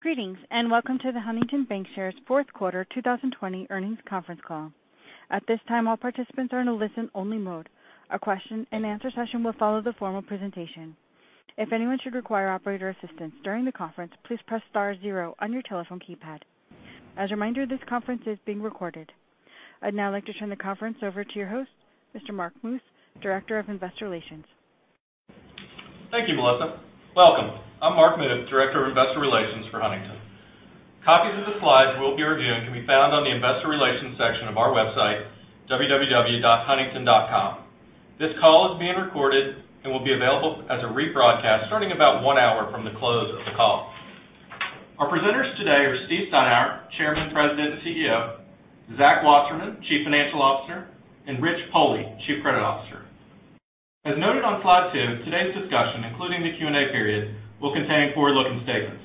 Greetings, and welcome to the Huntington Bancshares Q4 2020 Earnings Conference Call. I'd now like to turn the conference over to your host, Mr. Mark Muth, Director of Investor Relations. Thank you, Melissa. Welcome. I'm Mark Muth, Director of Investor Relations for Huntington. Copies of the slides we'll be reviewing can be found on the investor relations section of our website, www.huntington.com. This call is being recorded and will be available as a rebroadcast starting about one hour from the close of the call. Our presenters today are Steve Steinour, Chairman, President, and CEO, Zach Wasserman, Chief Financial Officer, and Rich Pohle, Chief Credit Officer. As noted on slide two, today's discussion, including the Q&A period, will contain forward-looking statements.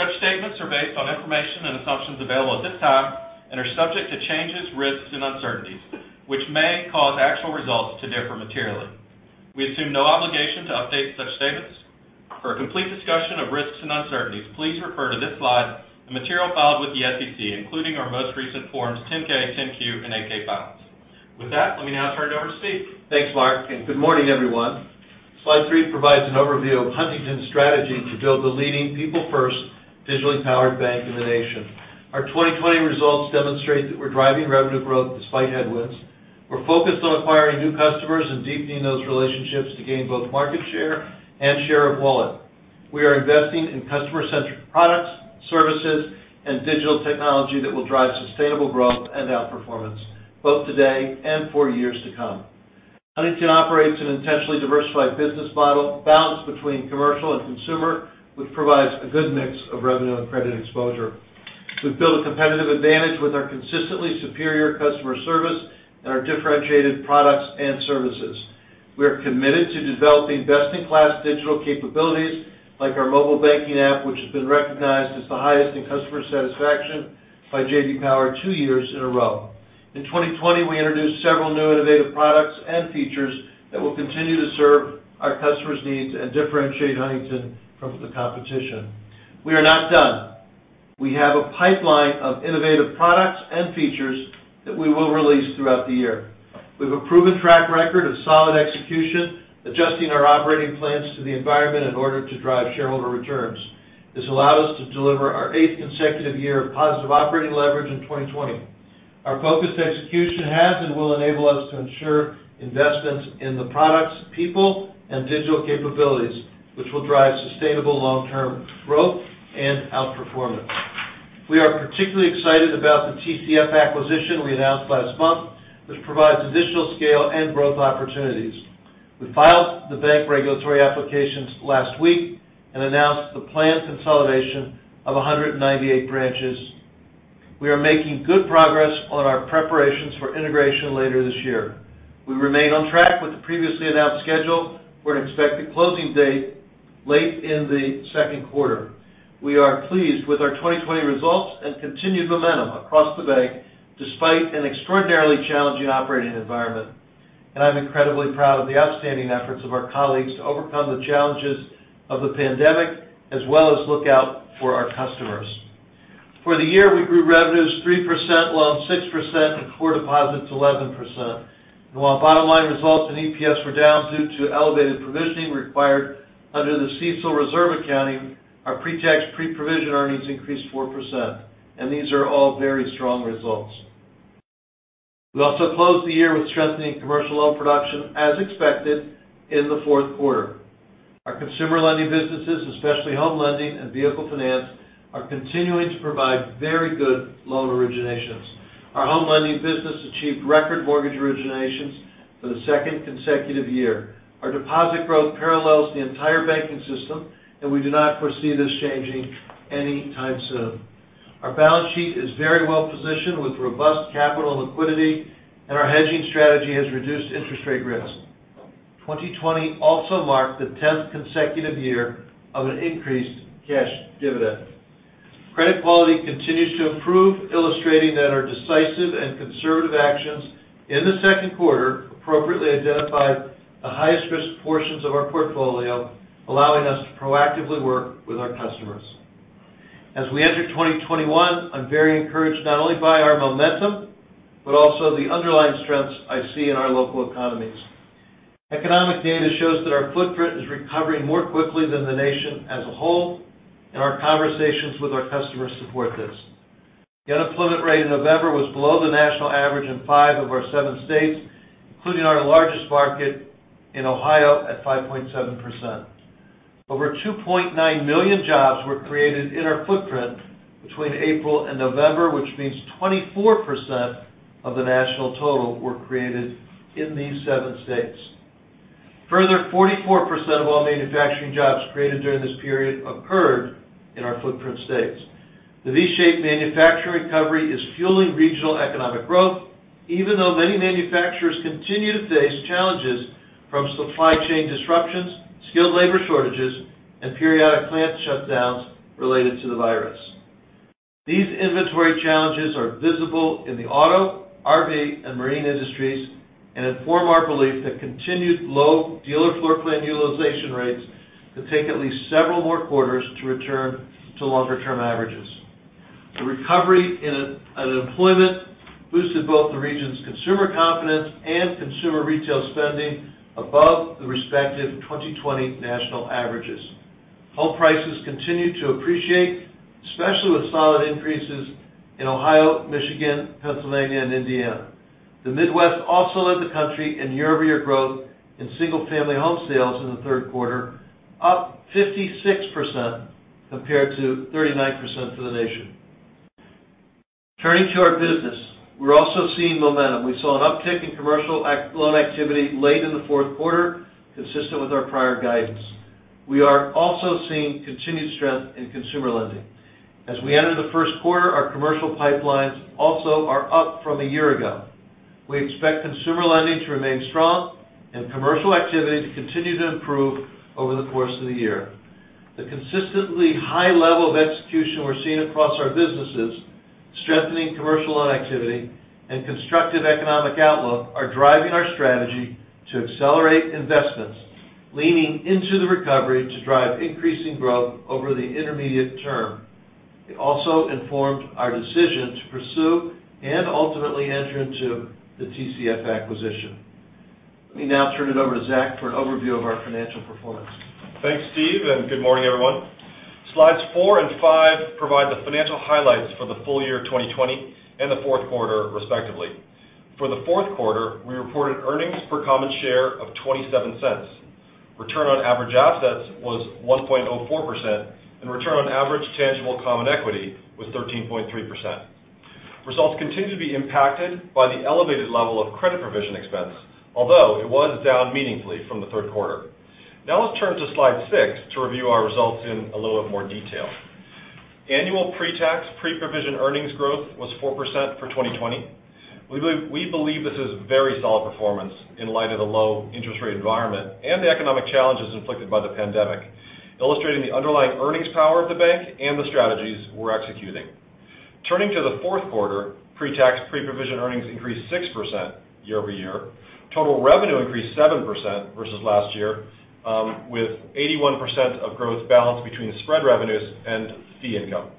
Such statements are based on information and assumptions available at this time and are subject to changes, risks, and uncertainties which may cause actual results to differ materially. We assume no obligation to update such statements. For a complete discussion of risks and uncertainties, please refer to this slide and material filed with the SEC, including our most recent Forms 10-K, 10-Q, and 8-K filings. With that, let me now turn it over to Steve. Thanks, Mark, and good morning, everyone. Slide three provides an overview of Huntington's strategy to build the leading people-first digitally powered bank in the nation. Our 2020 results demonstrate that we're driving revenue growth despite headwinds. We're focused on acquiring new customers and deepening those relationships to gain both market share and share of wallet. We are investing in customer-centric products, services, and digital technology that will drive sustainable growth and outperformance, both today and for years to come. Huntington operates an intentionally diversified business model balanced between commercial and consumer, which provides a good mix of revenue and credit exposure. We've built a competitive advantage with our consistently superior customer service and our differentiated products and services. We are committed to developing best-in-class digital capabilities, like our mobile banking app, which has been recognized as the highest in customer satisfaction by JD Power two years in a row. In 2020, we introduced several new innovative products and features that will continue to serve our customers' needs and differentiate Huntington from the competition. We are not done. We have a pipeline of innovative products and features that we will release throughout the year. We have a proven track record of solid execution, adjusting our operating plans to the environment in order to drive shareholder returns. This allowed us to deliver our eighth consecutive year of positive operating leverage in 2020. Our focused execution has and will enable us to ensure investments in the products, people, and digital capabilities, which will drive sustainable long-term growth and outperformance. We are particularly excited about the TCF acquisition we announced last month, which provides additional scale and growth opportunities. We filed the bank regulatory applications last week and announced the planned consolidation of 198 branches. We are making good progress on our preparations for integration later this year. We remain on track with the previously announced schedule for an expected closing date late in the Q2. We are pleased with our 2020 results and continued momentum across the bank, despite an extraordinarily challenging operating environment. I'm incredibly proud of the outstanding efforts of our colleagues to overcome the challenges of the pandemic, as well as look out for our customers. For the year, we grew revenues 3%, loans 6%, and core deposits 11%. While bottom line results and EPS were down due to elevated provisioning required under the CECL reserve accounting, our pre-tax, pre-provision earnings increased 4%, and these are all very strong results. We also closed the year with strengthening commercial loan production, as expected, in the Q4. Our consumer lending businesses, especially home lending and vehicle finance, are continuing to provide very good loan originations. Our home lending business achieved record mortgage originations for the second consecutive year. Our deposit growth parallels the entire banking system, and we do not foresee this changing any time soon. Our balance sheet is very well positioned with robust capital and liquidity, and our hedging strategy has reduced interest rate risk. 2020 also marked the 10th consecutive year of an increased cash dividend. Credit quality continues to improve, illustrating that our decisive and conservative actions in the Q2 appropriately identified the highest risk portions of our portfolio, allowing us to proactively work with our customers. As we enter 2021, I'm very encouraged not only by our momentum, but also the underlying strengths I see in our local economies. Economic data shows that our footprint is recovering more quickly than the nation as a whole, and our conversations with our customers support this. The unemployment rate in November was below the national average in five of our seven states, including our largest market in Ohio at 5.7%. Over 2.9 million jobs were created in our footprint between April and November, which means 24% of the national total were created in these seven states. Further, 44% of all manufacturing jobs created during this period occurred in our footprint states. The V-shaped manufacturing recovery is fueling regional economic growth, even though many manufacturers continue to face challenges from supply chain disruptions, skilled labor shortages, and periodic plant shutdowns related to the virus. These inventory challenges are visible in the auto, RV, and marine industries, and inform our belief that continued low dealer floorplan utilization rates could take at least several more quarters to return to longer-term averages. The recovery in unemployment boosted both the region's consumer confidence and consumer retail spending above the respective 2020 national averages. Home prices continued to appreciate, especially with solid increases in Ohio, Michigan, Pennsylvania, and Indiana. The Midwest also led the country in year-over-year growth in single-family home sales in the Q3, up 56%, compared to 39% for the nation. Turning to our business, we're also seeing momentum. We saw an uptick in commercial loan activity late in the Q4, consistent with our prior guidance. We are also seeing continued strength in consumer lending. As we enter the Q1, our commercial pipelines also are up from one year ago. We expect consumer lending to remain strong and commercial activity to continue to improve over the course of the year. The consistently high level of execution we're seeing across our businesses, strengthening commercial activity, and constructive economic outlook are driving our strategy to accelerate investments, leaning into the recovery to drive increasing growth over the intermediate term. It also informed our decision to pursue, and ultimately enter into, the TCF acquisition. Let me now turn it over to Zach for an overview of our financial performance. Thanks, Steve, and good morning, everyone. Slides four and five provide the financial highlights for the full year 2020 and the Q4 respectively. For the Q4, we reported earnings per common share of $0.27. Return on average assets was 1.04%, and return on average tangible common equity was 13.3%. Results continue to be impacted by the elevated level of credit provision expense, although it was down meaningfully from the Q3. Now let's turn to slide six to review our results in a little bit more detail. Annual pre-tax, pre-provision earnings growth was 4% for 2020. We believe this is very solid performance in light of the low interest rate environment and the economic challenges inflicted by the pandemic, illustrating the underlying earnings power of the bank and the strategies we're executing. Turning to the Q4, pre-tax, pre-provision earnings increased 6% year-over-year. Total revenue increased 7% versus last year, with $81 million of growth balanced between spread revenue and fee income.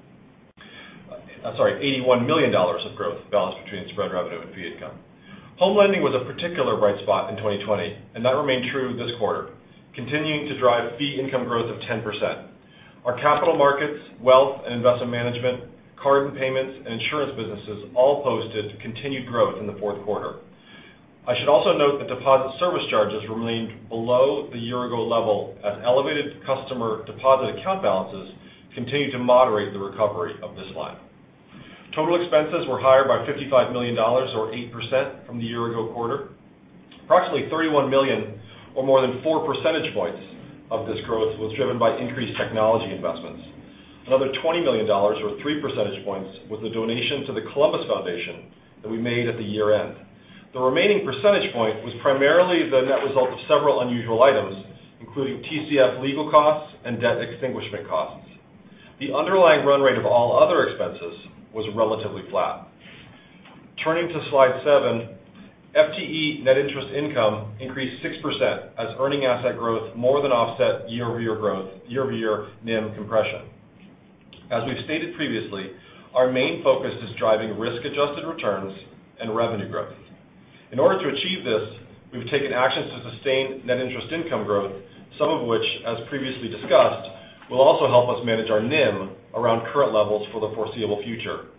Home lending was a particular bright spot in 2020, and that remained true this quarter, continuing to drive fee income growth of 10%. Our capital markets, wealth and investment management, card and payments, and insurance businesses all posted continued growth in the Q4. I should also note that deposit service charges remained below the year-ago level as elevated customer deposit account balances continue to moderate the recovery of this line. Total expenses were higher by $55 million or 8% from the year-ago quarter. Approximately $31 million, or more than four percentage points of this growth, was driven by increased technology investments. Another $20 million or three percentage points was the donation to The Columbus Foundation that we made at the year-end. The remaining percentage point was primarily the net result of several unusual items, including TCF legal costs and debt extinguishment costs. The underlying run rate of all other expenses was relatively flat. Turning to slide seven, FTE net interest income increased 6% as earning asset growth more than offset year-over-year NIM compression. As we've stated previously, our main focus is driving risk-adjusted returns and revenue growth. In order to achieve this, we've taken actions to sustain net interest income growth, some of which, as previously discussed, will also help us manage our NIM around current levels for the foreseeable future.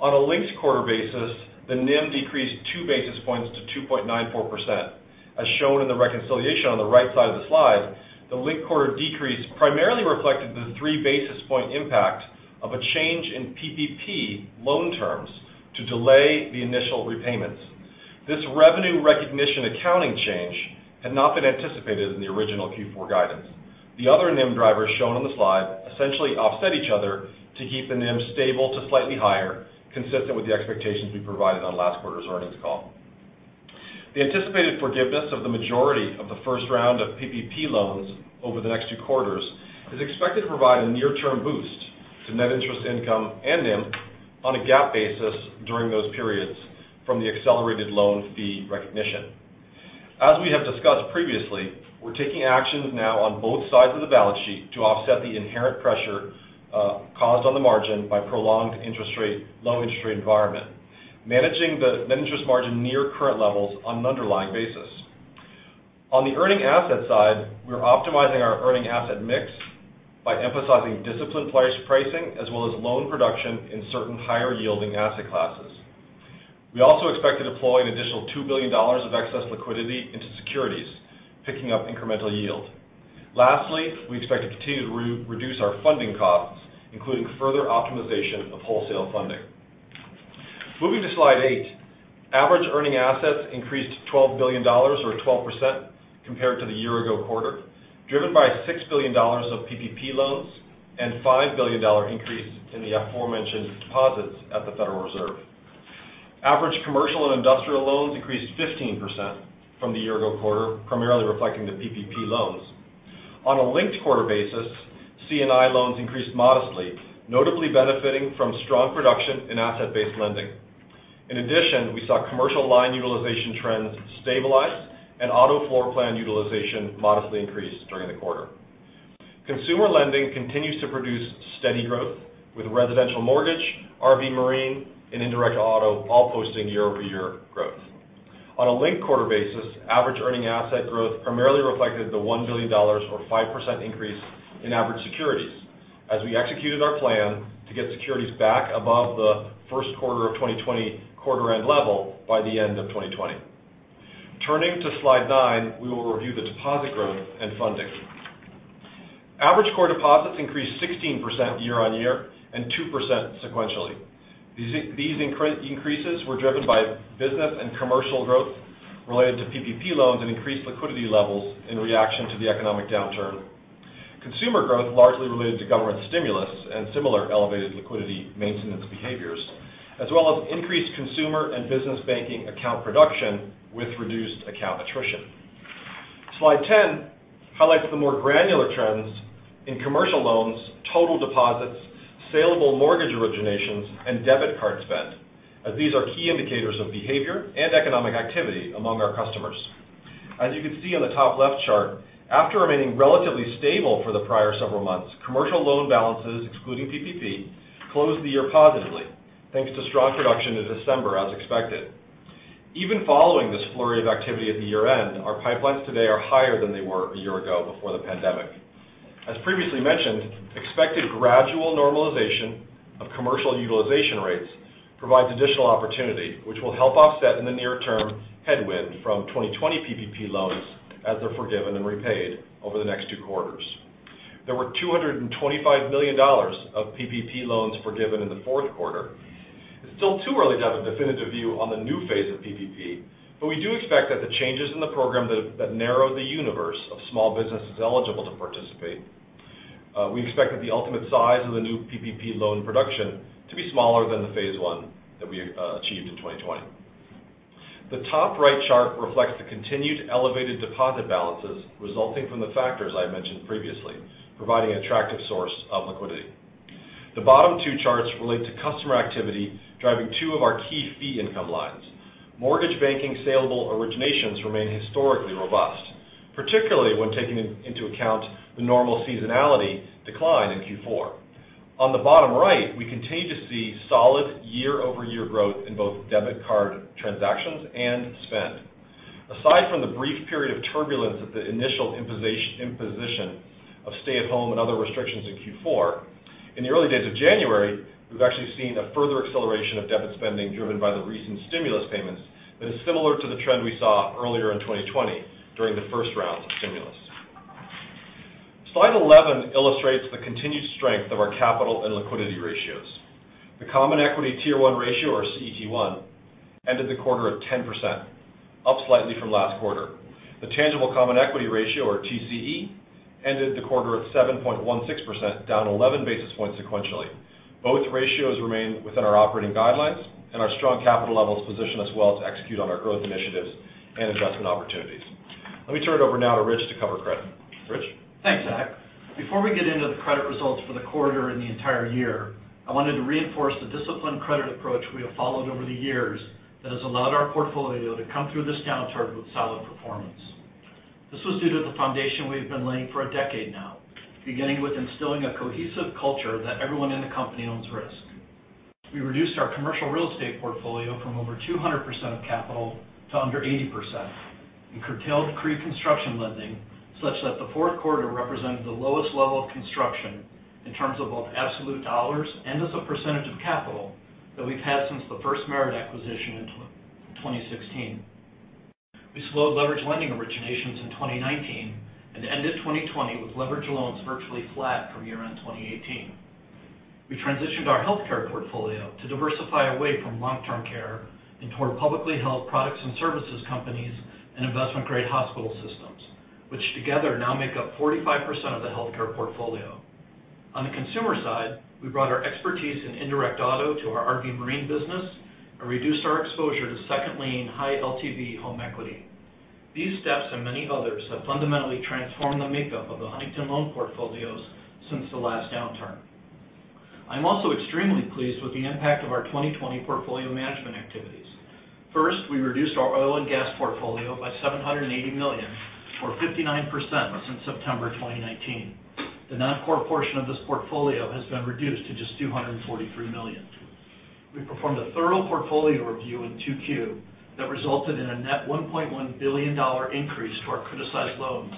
On a linked-quarter basis, the NIM decreased two basis points to 2.94%. As shown in the reconciliation on the right side of the slide, the linked-quarter decrease primarily reflected the three basis point impact of a change in PPP loan terms to delay the initial repayments. This revenue recognition accounting change had not been anticipated in the original Q4 guidance. The other NIM drivers shown on the slide essentially offset each other to keep the NIM stable to slightly higher, consistent with the expectations we provided on last quarter's earnings call. The anticipated forgiveness of the majority of the first round of PPP loans over the next two quarters is expected to provide a near-term boost to net interest income and NIM on a GAAP basis during those periods from the accelerated loan fee recognition. As we have discussed previously, we're taking actions now on both sides of the balance sheet to offset the inherent pressure caused on the margin by prolonged low interest rate environment, managing the net interest margin near current levels on an underlying basis. On the earning asset side, we're optimizing our earning asset mix by emphasizing disciplined pricing as well as loan production in certain higher-yielding asset classes. We also expect to deploy an additional $2 billion of excess liquidity into securities, picking up incremental yield. Lastly, we expect to continue to reduce our funding costs, including further optimization of wholesale funding. Moving to slide eight, average earning assets increased $12 billion or 12% compared to the year-ago quarter, driven by $6 billion of PPP loans and a $5 billion increase in the aforementioned deposits at the Federal Reserve. Average commercial and industrial loans increased 15% from the year-ago quarter, primarily reflecting the PPP loans. On a linked-quarter basis, C&I loans increased modestly, notably benefiting from strong production in asset-based lending. In addition, we saw commercial line utilization trends stabilize and auto floorplan utilization modestly increase during the quarter. Consumer lending continues to produce steady growth with residential mortgage, RV Marine, and indirect auto all posting year-over-year growth. On a linked-quarter basis, average earning asset growth primarily reflected the $1 billion or 5% increase in average securities, as we executed our plan to get securities back above the Q1 of 2020 quarter-end level by the end of 2020. Turning to Slide 9, we will review the deposit growth and funding. Average core deposits increased 16% year-on-year and 2% sequentially. These increases were driven by business and commercial growth related to PPP loans and increased liquidity levels in reaction to the economic downturn. Consumer growth largely related to government stimulus and similar elevated liquidity maintenance behaviors, as well as increased consumer and business banking account production with reduced account attrition. Slide 10 highlights the more granular trends in commercial loans, total deposits, saleable mortgage originations, and debit card spend, as these are key indicators of behavior and economic activity among our customers. As you can see on the top-left chart, after remaining relatively stable for the prior several months, commercial loan balances, excluding PPP, closed the year positively, thanks to strong production in December, as expected. Even following this flurry of activity at the year-end, our pipelines today are higher than they were a year ago before the pandemic. As previously mentioned, expected gradual normalization of commercial utilization rates provides additional opportunity, which will help offset in the near term headwind from 2020 PPP loans as they're forgiven and repaid over the next two quarters. There were $225 million of PPP loans forgiven in the Q4. It's still too early to have a definitive view on the new phase of PPP, but we do expect that the changes in the program that narrow the universe of small businesses eligible to participate, the ultimate size of the new PPP loan production to be smaller than the phase one that we achieved in 2020. The top right chart reflects the continued elevated deposit balances resulting from the factors I mentioned previously, providing an attractive source of liquidity. The bottom two charts relate to customer activity driving two of our key fee income lines. Mortgage banking saleable originations remain historically robust, particularly when taking into account the normal seasonality decline in Q4. On the bottom right, we continue to see solid year-over-year growth in both debit card transactions and spend. Aside from the brief period of turbulence at the initial imposition of stay-at-home and other restrictions in Q4, in the early days of January, we've actually seen a further acceleration of debit spending driven by the recent stimulus payments that is similar to the trend we saw earlier in 2020 during the first round of stimulus. Slide 11 illustrates the continued strength of our capital and liquidity ratios. The Common Equity T1 ratio, or CET1, ended the quarter at 10%, up slightly from last quarter. The Tangible Common Equity ratio, or TCE, ended the quarter at 7.16%, down 11 basis points sequentially. Both ratios remain within our operating guidelines, and our strong capital levels position us well to execute on our growth initiatives and adjustment opportunities. Let me turn it over now to Rich to cover credit. Rich? Thanks, Zach. Before we get into the credit results for the quarter and the entire year, I wanted to reinforce the disciplined credit approach we have followed over the years that has allowed our portfolio to come through this downturn with solid performance. This was due to the foundation we have been laying for a decade now, beginning with instilling a cohesive culture that everyone in the company owns risk. We reduced our commercial real estate portfolio from over 200% of capital to under 80%, and curtailed construction lending such that the Q4 represented the lowest level of construction in terms of both absolute dollars and as a percentage of capital that we've had since the first FirstMerit acquisition in 2016. We slowed leverage lending originations in 2019 and ended 2020 with leverage loans virtually flat from year-end 2018. We transitioned our healthcare portfolio to diversify away from long-term care and toward publicly held products and services companies and investment-grade hospital systems, which together now make up 45% of the healthcare portfolio. On the consumer side, we brought our expertise in indirect auto to our RV Marine business and reduced our exposure to second lien high LTV home equity. These steps and many others have fundamentally transformed the makeup of the Huntington loan portfolios since the last downturn. I'm also extremely pleased with the impact of our 2020 portfolio management activities. First, we reduced our oil and gas portfolio by $780 million, or 59%, since September 2019. The non-core portion of this portfolio has been reduced to just $243 million. We performed a thorough portfolio review in 2Q that resulted in a net $1.1 billion increase to our criticized loans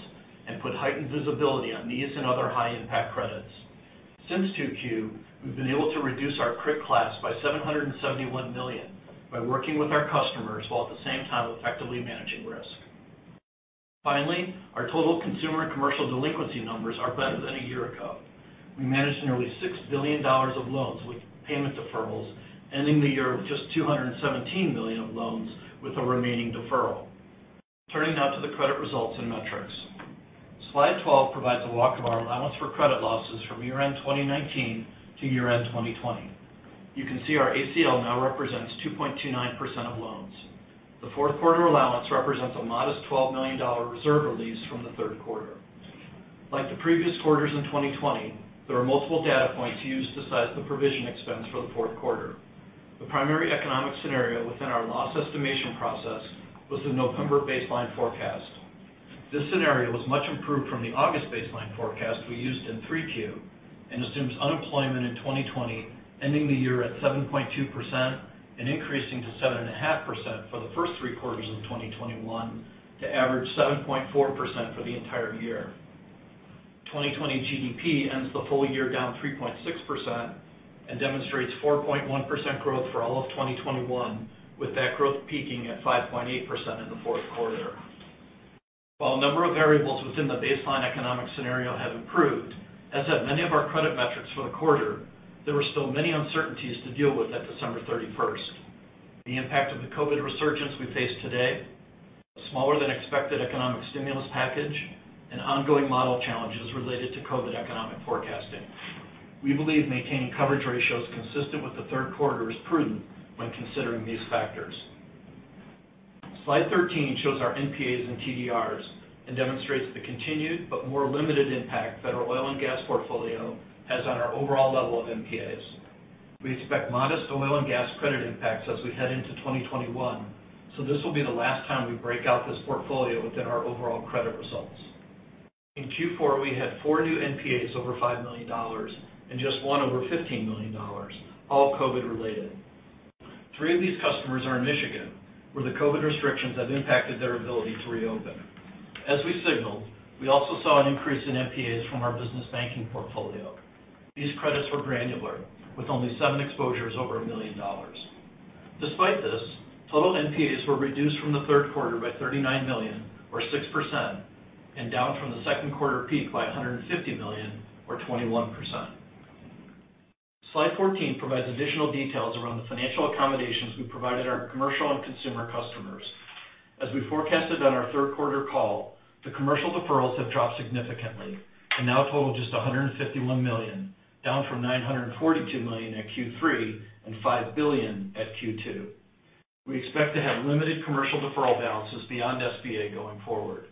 and put heightened visibility on these and other high impact credits. Since 2Q, we've been able to reduce our criticized class by $771 million by working with our customers while at the same time effectively managing risk. Finally, our total consumer and commercial delinquency numbers are better than a year ago. We managed nearly $6 billion of loans with payment deferrals, ending the year with just $217 million with the remaining deferral. Turning now to the credit results and metrics. Slide 12 provides a walk of our allowance for credit losses from year-end 2019 to year-end 2020. You can see our ACL now represents 2.29% of loans. The Q4 allowance represents a modest $12 million reserve release from the Q3. Like the previous quarters in 2020, there are multiple data points used to size the provision expense for the 4Q. The primary economic scenario within our loss estimation process was the November baseline forecast. This scenario was much improved from the August baseline forecast we used in 3Q, and assumes unemployment in 2020 ending the year at 7.2% and increasing to 7.5% for the first three quarters of 2021 to average 7.4% for the entire year. 2020 GDP ends the full year down 3.6% and demonstrates 4.1% growth for all of 2021, with that growth peaking at 5.8% in the 4Q. While a number of variables within the baseline economic scenario have improved, as have many of our credit metrics for the quarter, there were still many uncertainties to deal with at December 31. The impact of the COVID resurgence we face today, a smaller than expected economic stimulus package, and ongoing model challenges related to COVID economic forecasting. We believe maintaining coverage ratios consistent with the Q3 is prudent when considering these factors. Slide 13 shows our NPAs and TDRs and demonstrates the continued but more limited impact federal oil and gas portfolio has on our overall level of NPAs. We expect modest oil and gas credit impacts as we head into 2021, so this will be the last time we break out this portfolio within our overall credit results. In Q4, we had four new NPAs over $5 million and just one over $15 million, all COVID related. Three of these customers are in Michigan, where the COVID restrictions have impacted their ability to reopen. As we signaled, we also saw an increase in NPAs from our business banking portfolio. These credits were granular, with only seven exposures over $1 million. Despite this, total NPAs were reduced from the Q3 by $39 million, or 6%, and down from the Q2 peak by $150 million, or 21%. Slide 14 provides additional details around the financial accommodations we provided our commercial and consumer customers. As we forecasted on our Q3 call, the commercial deferrals have dropped significantly and now total just $151 million, down from $942 million at Q3 and $5 billion at Q2. We expect to have limited commercial deferral balances beyond SBA going forward.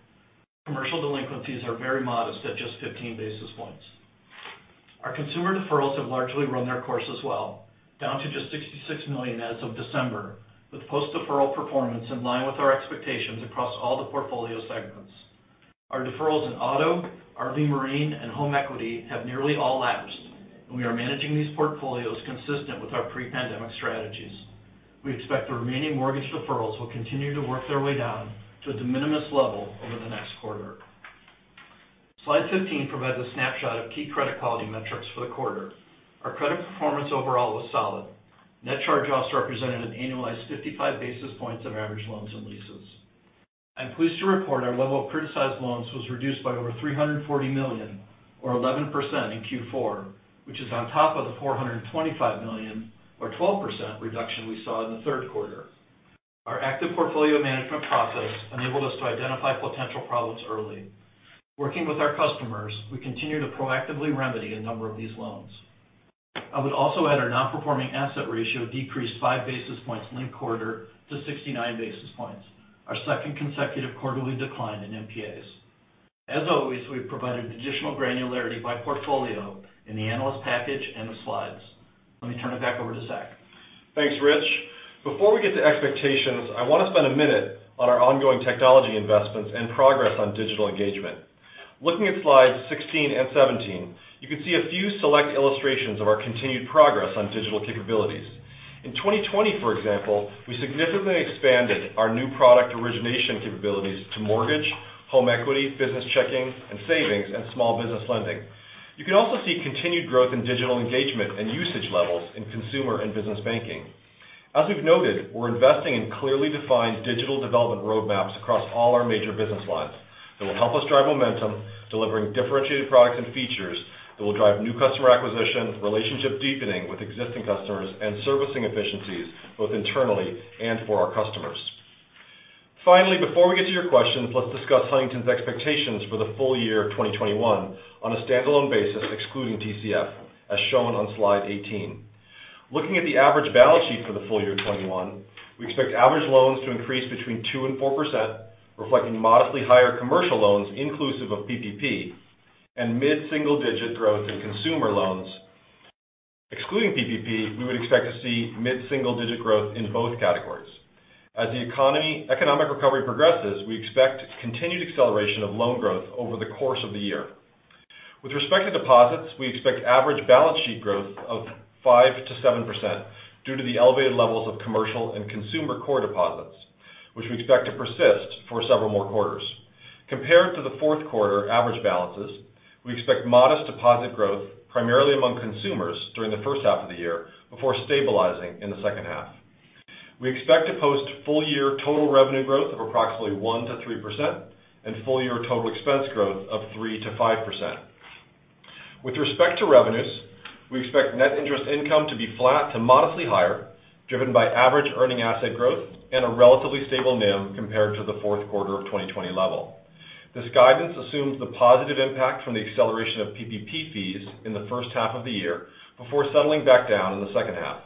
Commercial delinquencies are very modest at just 15 basis points. Our consumer deferrals have largely run their course as well, down to just $66 million as of December, with post-deferral performance in line with our expectations across all the portfolio segments. Our deferrals in auto, RV Marine, and home equity have nearly all lapsed, and we are managing these portfolios consistent with our pre-pandemic strategies. We expect the remaining mortgage deferrals will continue to work their way down to a de minimis level over the next quarter. Slide 15 provides a snapshot of key credit quality metrics for the quarter. Our credit performance overall was solid. Net charge-offs represented an annualized 55 basis points of average loans and leases. I'm pleased to report our level of criticized loans was reduced by over $340 million, or 11%, in Q4, which is on top of the $425 million, or 12%, reduction we saw in the Q3. Our active portfolio management process enabled us to identify potential problems early. Working with our customers, we continue to proactively remedy a number of these loans. I would also add our non-performing asset ratio decreased five basis points linked quarter to 69 basis points, our second consecutive quarterly decline in NPAs. As always, we've provided additional granularity by portfolio in the analyst package and the slides. Let me turn it back over to Zach. Thanks, Rich. Before we get to expectations, I want to spend a minute on our ongoing technology investments and progress on digital engagement. Looking at slides 16 and 17, you can see a few select illustrations of our continued progress on digital capabilities. In 2020, for example, we significantly expanded our new product origination capabilities to mortgage, home equity, business checking and savings, and small business lending. You can also see continued growth in digital engagement and usage levels in consumer and business banking. As we've noted, we're investing in clearly defined digital development roadmaps across all our major business lines that will help us drive momentum, delivering differentiated products and features that will drive new customer acquisition, relationship deepening with existing customers, and servicing efficiencies both internally and for our customers. Finally, before we get to your questions, let's discuss Huntington's expectations for the full year of 2021 on a standalone basis, excluding TCF, as shown on slide 18. Looking at the average balance sheet for the full year 2021, we expect average loans to increase between 2% and 4%, reflecting modestly higher commercial loans inclusive of PPP, and mid-single-digit growth in consumer loans. Excluding PPP, we would expect to see mid-single-digit growth in both categories. As the economic recovery progresses, we expect continued acceleration of loan growth over the course of the year. With respect to deposits, we expect average balance sheet growth of 5% to 7% due to the elevated levels of commercial and consumer core deposits, which we expect to persist for several more quarters. Compared to the Q4 average balances, we expect modest deposit growth primarily among consumers during the first half of the year before stabilizing in the second half. We expect to post full-year total revenue growth of approximately 1%-3% and full-year total expense growth of 3%-5%. With respect to revenues, we expect net interest income to be flat to modestly higher, driven by average earning asset growth and a relatively stable NIM compared to the Q4 of 2020 level. This guidance assumes the positive impact from the acceleration of PPP fees in the first half of the year before settling back down in the second half.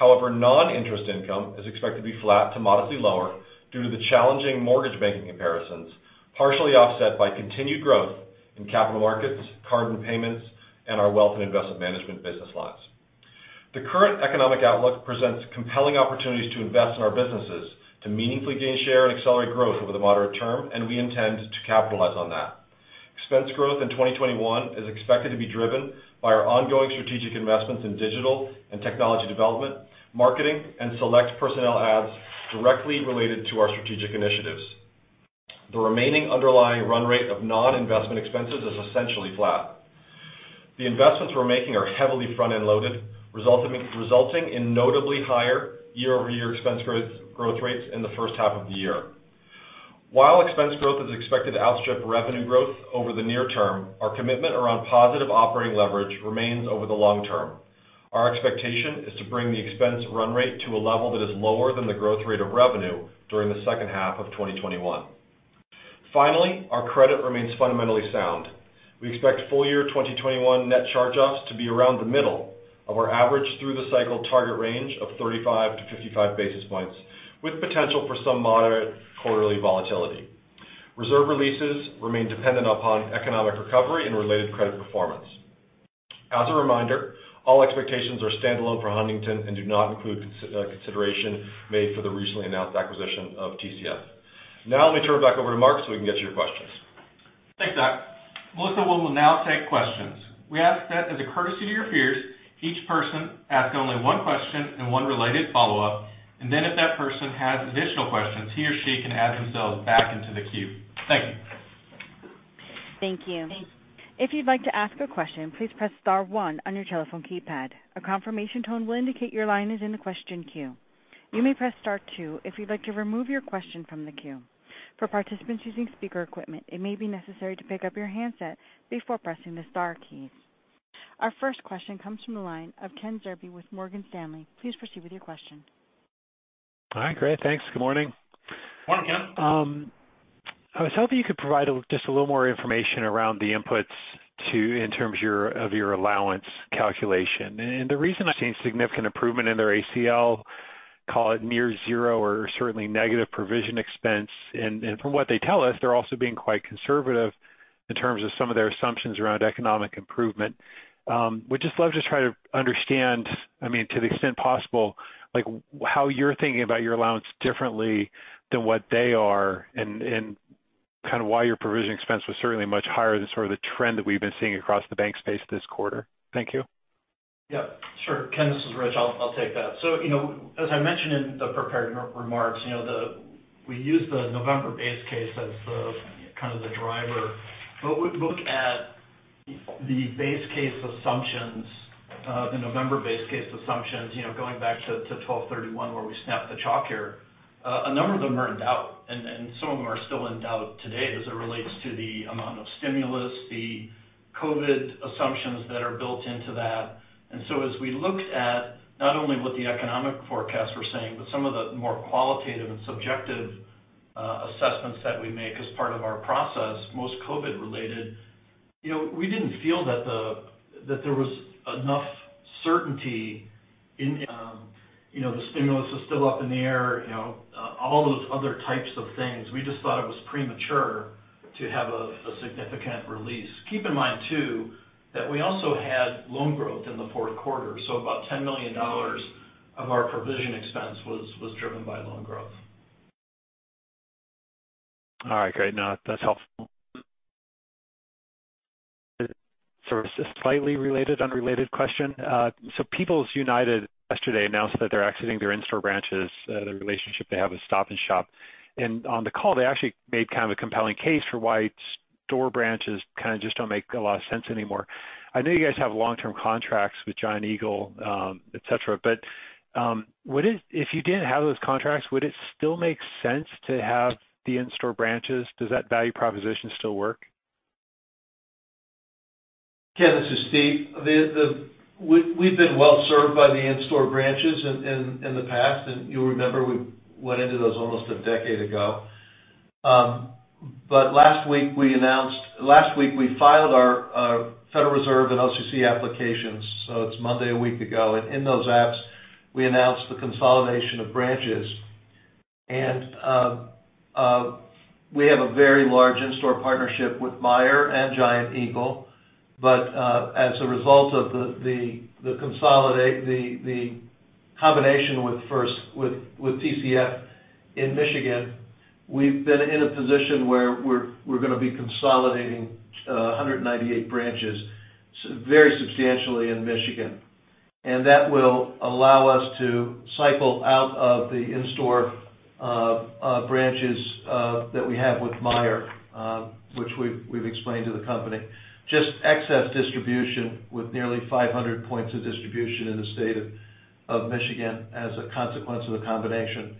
Non-interest income is expected to be flat to modestly lower due to the challenging mortgage banking comparisons, partially offset by continued growth in capital markets, card and payments, and our wealth and investment management business lines. The current economic outlook presents compelling opportunities to invest in our businesses to meaningfully gain share and accelerate growth over the moderate term, and we intend to capitalize on that. Expense growth in 2021 is expected to be driven by our ongoing strategic investments in digital and technology development, marketing, and select personnel adds directly related to our strategic initiatives. The remaining underlying run rate of non-investment expenses is essentially flat. The investments we're making are heavily front-end loaded, resulting in notably higher year-over-year expense growth rates in the first half of the year. While expense growth is expected to outstrip revenue growth over the near term, our commitment around positive operating leverage remains over the long term. Our expectation is to bring the expense run rate to a level that is lower than the growth rate of revenue during the second half of 2021. Finally, our credit remains fundamentally sound. We expect full-year 2021 net charge-offs to be around the middle of our average through the cycle target range of 35-55 basis points, with potential for some moderate quarterly volatility. Reserve releases remain dependent upon economic recovery and related credit performance. As a reminder, all expectations are standalone for Huntington and do not include consideration made for the recently announced acquisition of TCF. Now let me turn it back over to Mark so we can get to your questions. Thanks, Zach. Melissa will now take questions. We ask that as a courtesy to your peers, each person ask only one question and one related follow-up. If that person has additional questions, he or she can add themselves back into the queue. Thank you. Our first question comes from the line of Ken Zerbe with Morgan Stanley. Please proceed with your question. Hi, great. Thanks. Good morning. Good morning, Ken. I was hoping you could provide just a little more information around the inputs in terms of your allowance calculation. The reason I've seen significant improvement in their ACL, call it near zero or certainly negative provision expense. From what they tell us, they're also being quite conservative in terms of some of their assumptions around economic improvement. Would just love to try to understand, to the extent possible, how you're thinking about your allowance differently than what they are and kind of why your provision expense was certainly much higher than sort of the trend that we've been seeing across the bank space this quarter. Thank you. Yeah, sure. Ken, this is Rich. I'll take that. As I mentioned in the prepared remarks, we use the November base case as the driver. We look at the November base case assumptions, going back to 12/31 where we snapped the chalk here. A number of them are in doubt, and some of them are still in doubt today as it relates to the amount of stimulus, the COVID assumptions that are built into that. As we looked at not only what the economic forecasts were saying. But some of the more qualitative and subjective assessments that we make as part of our process, most COVID related, we didn't feel that there was enough certainty in the stimulus is still up in the air, all those other types of things. We just thought it was premature to have a significant release. Keep in mind too, that we also had loan growth in the Q4, so about $10 million of our provision expense was driven by loan growth. All right, great. No, that's helpful. Sort of a slightly related, unrelated question. People's United yesterday announced that they're exiting their in-store branches, the relationship they have with Stop & Shop. On the call, they actually made kind of a compelling case for why store branches kind of just don't make a lot of sense anymore. I know you guys have long-term contracts with Giant Eagle, et cetera, but if you didn't have those contracts, would it still make sense to have the in-store branches? Does that value proposition still work? Ken, this is Steve. We've been well-served by the in-store branches in the past, and you'll remember we went into those almost a decade ago. Last week we filed our Federal Reserve and OCC applications, so it's Monday a week ago. In those apps, we announced the consolidation of branches. We have a very large in-store partnership with Meijer and Giant Eagle. As a result of the combination with TCF in Michigan, we've been in a position where we're going to be consolidating 198 branches very substantially in Michigan. That will allow us to cycle out of the in-store branches that we have with Meijer, which we've explained to the company. Just excess distribution with nearly 500 points of distribution in the state of Michigan as a consequence of the combination.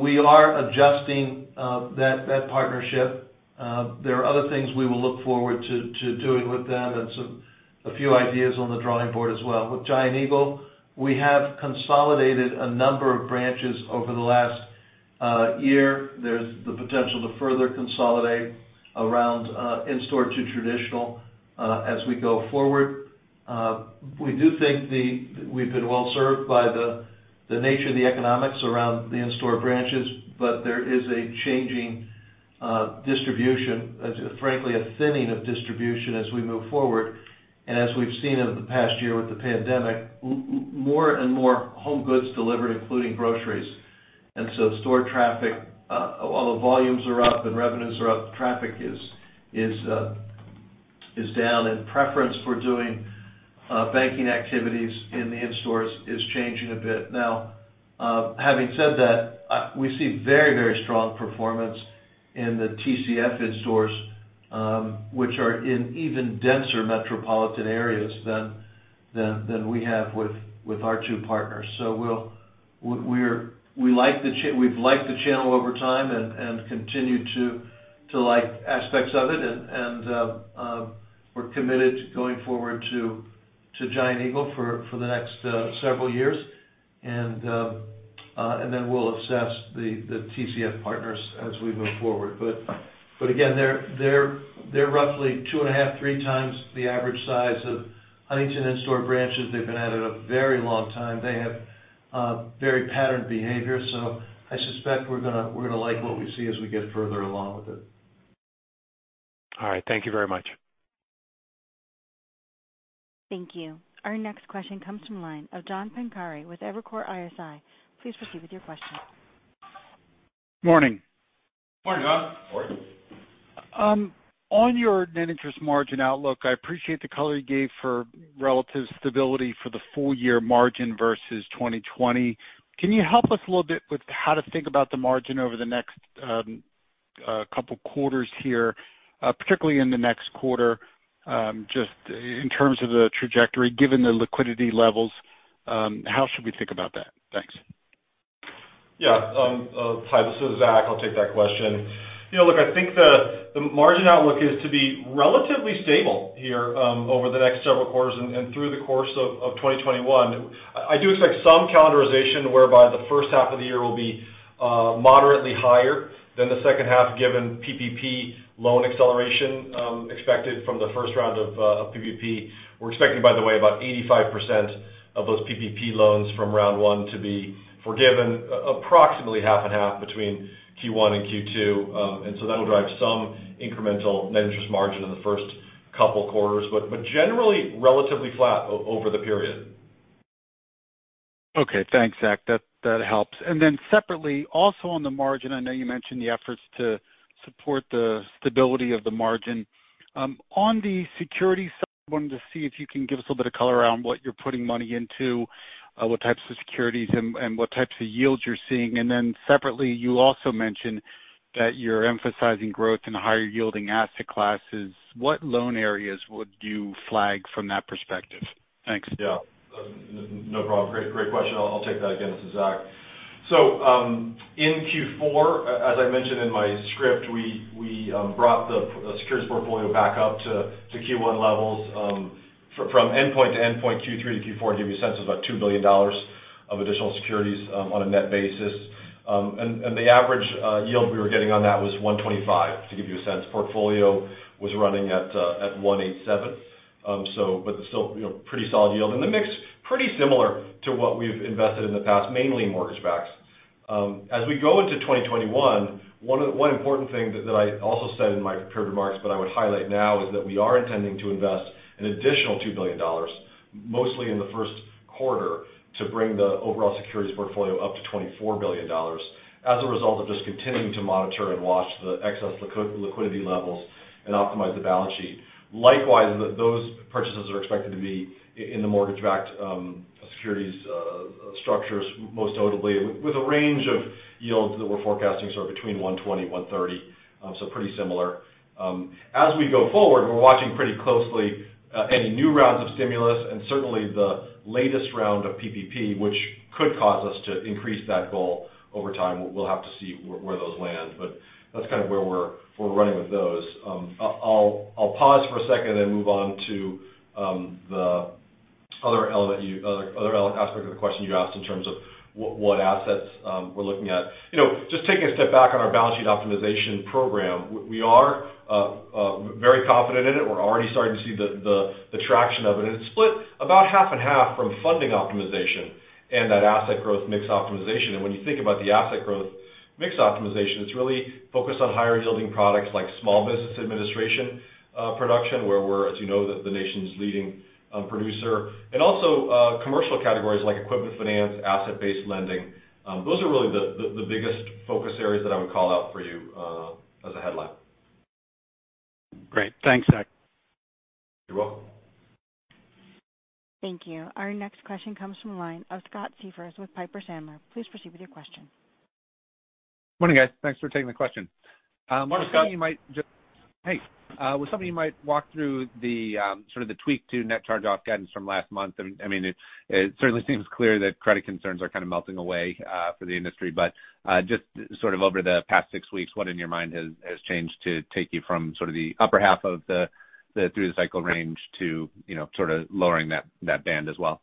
We are adjusting that partnership. There are other things we will look forward to doing with them and a few ideas on the drawing board as well. With Giant Eagle, we have consolidated a number of branches over the last year. There's the potential to further consolidate around in-store to traditional as we go forward. We do think we've been well-served by the nature of the economics around the in-store branches, there is a changing distribution, frankly, a thinning of distribution as we move forward. As we've seen over the past year with the pandemic, more and more home goods delivered, including groceries. Store traffic, while the volumes are up and revenues are up, traffic is down, and preference for doing banking activities in the in-stores is changing a bit. Having said that, we see very strong performance in the TCF in-stores, which are in even denser metropolitan areas than we have with our two partners. We've liked the channel over time and continue to like aspects of it, and we're committed to going forward to Giant Eagle for the next several years. We'll assess the TCF partners as we move forward. They're roughly two and a half, three times the average size of Huntington in-store branches. They've been at it a very long time. They have very patterned behavior. I suspect we're going to like what we see as we get further along with it. All right. Thank you very much. Thank you. Our next question comes from the line of John Pancari with Evercore ISI. Please proceed with your question. Good morning. Good morning, John. Good morning. On your net interest margin outlook, I appreciate the color you gave for relative stability for the full-year margin versus 2020. Can you help us a little bit with how to think about the margin over the next couple quarters here, particularly in the next quarter, just in terms of the trajectory, given the liquidity levels? How should we think about that? Thanks. Yeah. Hi, this is Zach. I'll take that question. Look, I think the margin outlook is to be relatively stable here over the next several quarters and through the course of 2021. I do expect some calendarization whereby the first half of the year will be moderately higher than the second half, given PPP loan acceleration expected from the first round of PPP. We're expecting, by the way, about 85% of those PPP loans from round one to be forgiven, approximately half and half between Q1 and Q2. That'll drive some incremental net interest margin in the first couple quarters. Generally, relatively flat over the period. Okay. Thanks, Zach. That helps. Then separately, also on the margin, I know you mentioned the efforts to support the stability of the margin. On the security side, I wanted to see if you can give us a little bit of color around what you're putting money into, what types of securities and what types of yields you're seeing. Then separately, you also mentioned that you're emphasizing growth in higher-yielding asset classes. What loan areas would you flag from that perspective? Thanks. No problem. Great question. I'll take that. Again, this is Zach. In Q4, as I mentioned in my script, we brought the securities portfolio back up to Q1 levels. From endpoint to endpoint, Q3 to Q4, to give you a sense, it was about $2 billion of additional securities on a net basis. The average yield we were getting on that was 125, to give you a sense. Portfolio was running at 187. Still pretty solid yield. The mix, pretty similar to what we've invested in the past, mainly in mortgage-backs. As we go into 2021, one important thing that I also said in my prepared remarks, but I would highlight now, is that we are intending to invest an additional $2 billion, mostly in the Q1, to bring the overall securities portfolio up to $24 billion as a result of just continuing to monitor and watch the excess liquidity levels and optimize the balance sheet. Likewise, those purchases are expected to be in the mortgage-backed securities structures, most notably with a range of yields that we're forecasting sort of between 120, 130. Pretty similar. As we go forward, we're watching pretty closely any new rounds of stimulus and certainly the latest round of PPP, which could cause us to increase that goal over time. We'll have to see where those land, but that's kind of where we're running with those. I'll pause for a second and move on to the other aspect of the question you asked in terms of what assets we're looking at. Just taking a step back on our balance sheet optimization program, we are very confident in it. We're already starting to see the traction of it. It's split about half and half from funding optimization and that asset growth mix optimization. When you think about the asset growth mix optimization, it's really focused on higher-yielding products like Small Business Administration production, where we're, as you know, the nation's leading producer, and also commercial categories like equipment finance, asset-based lending. Those are really the biggest focus areas that I would call out for you as a headline. Great. Thanks, Zach. You're welcome. Thank you. Our next question comes from the line of Scott Siefers with Piper Sandler. Please proceed with your question. Good morning, guys. Thanks for taking the question. Good morning, Scott. Hey. Was something you might walk through the tweak to net charge-off guidance from last month? It certainly seems clear that credit concerns are kind of melting away for the industry. Just over the past six weeks, what in your mind has changed to take you from the upper half of the through-the-cycle range to lowering that band as well?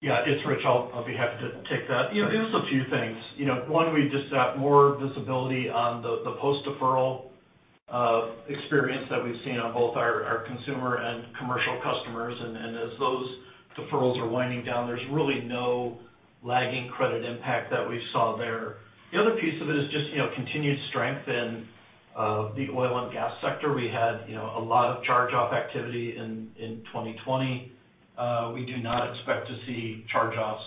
Yeah. It's Rich. I'll be happy to take that. There's a few things. One, we just got more visibility on the post-deferral experience that we've seen on both our consumer and commercial customers. As those deferrals are winding down, there's really no lagging credit impact that we saw there. The other piece of it is just continued strength in the oil and gas sector. We had a lot of charge-off activity in 2020. We do not expect to see charge-offs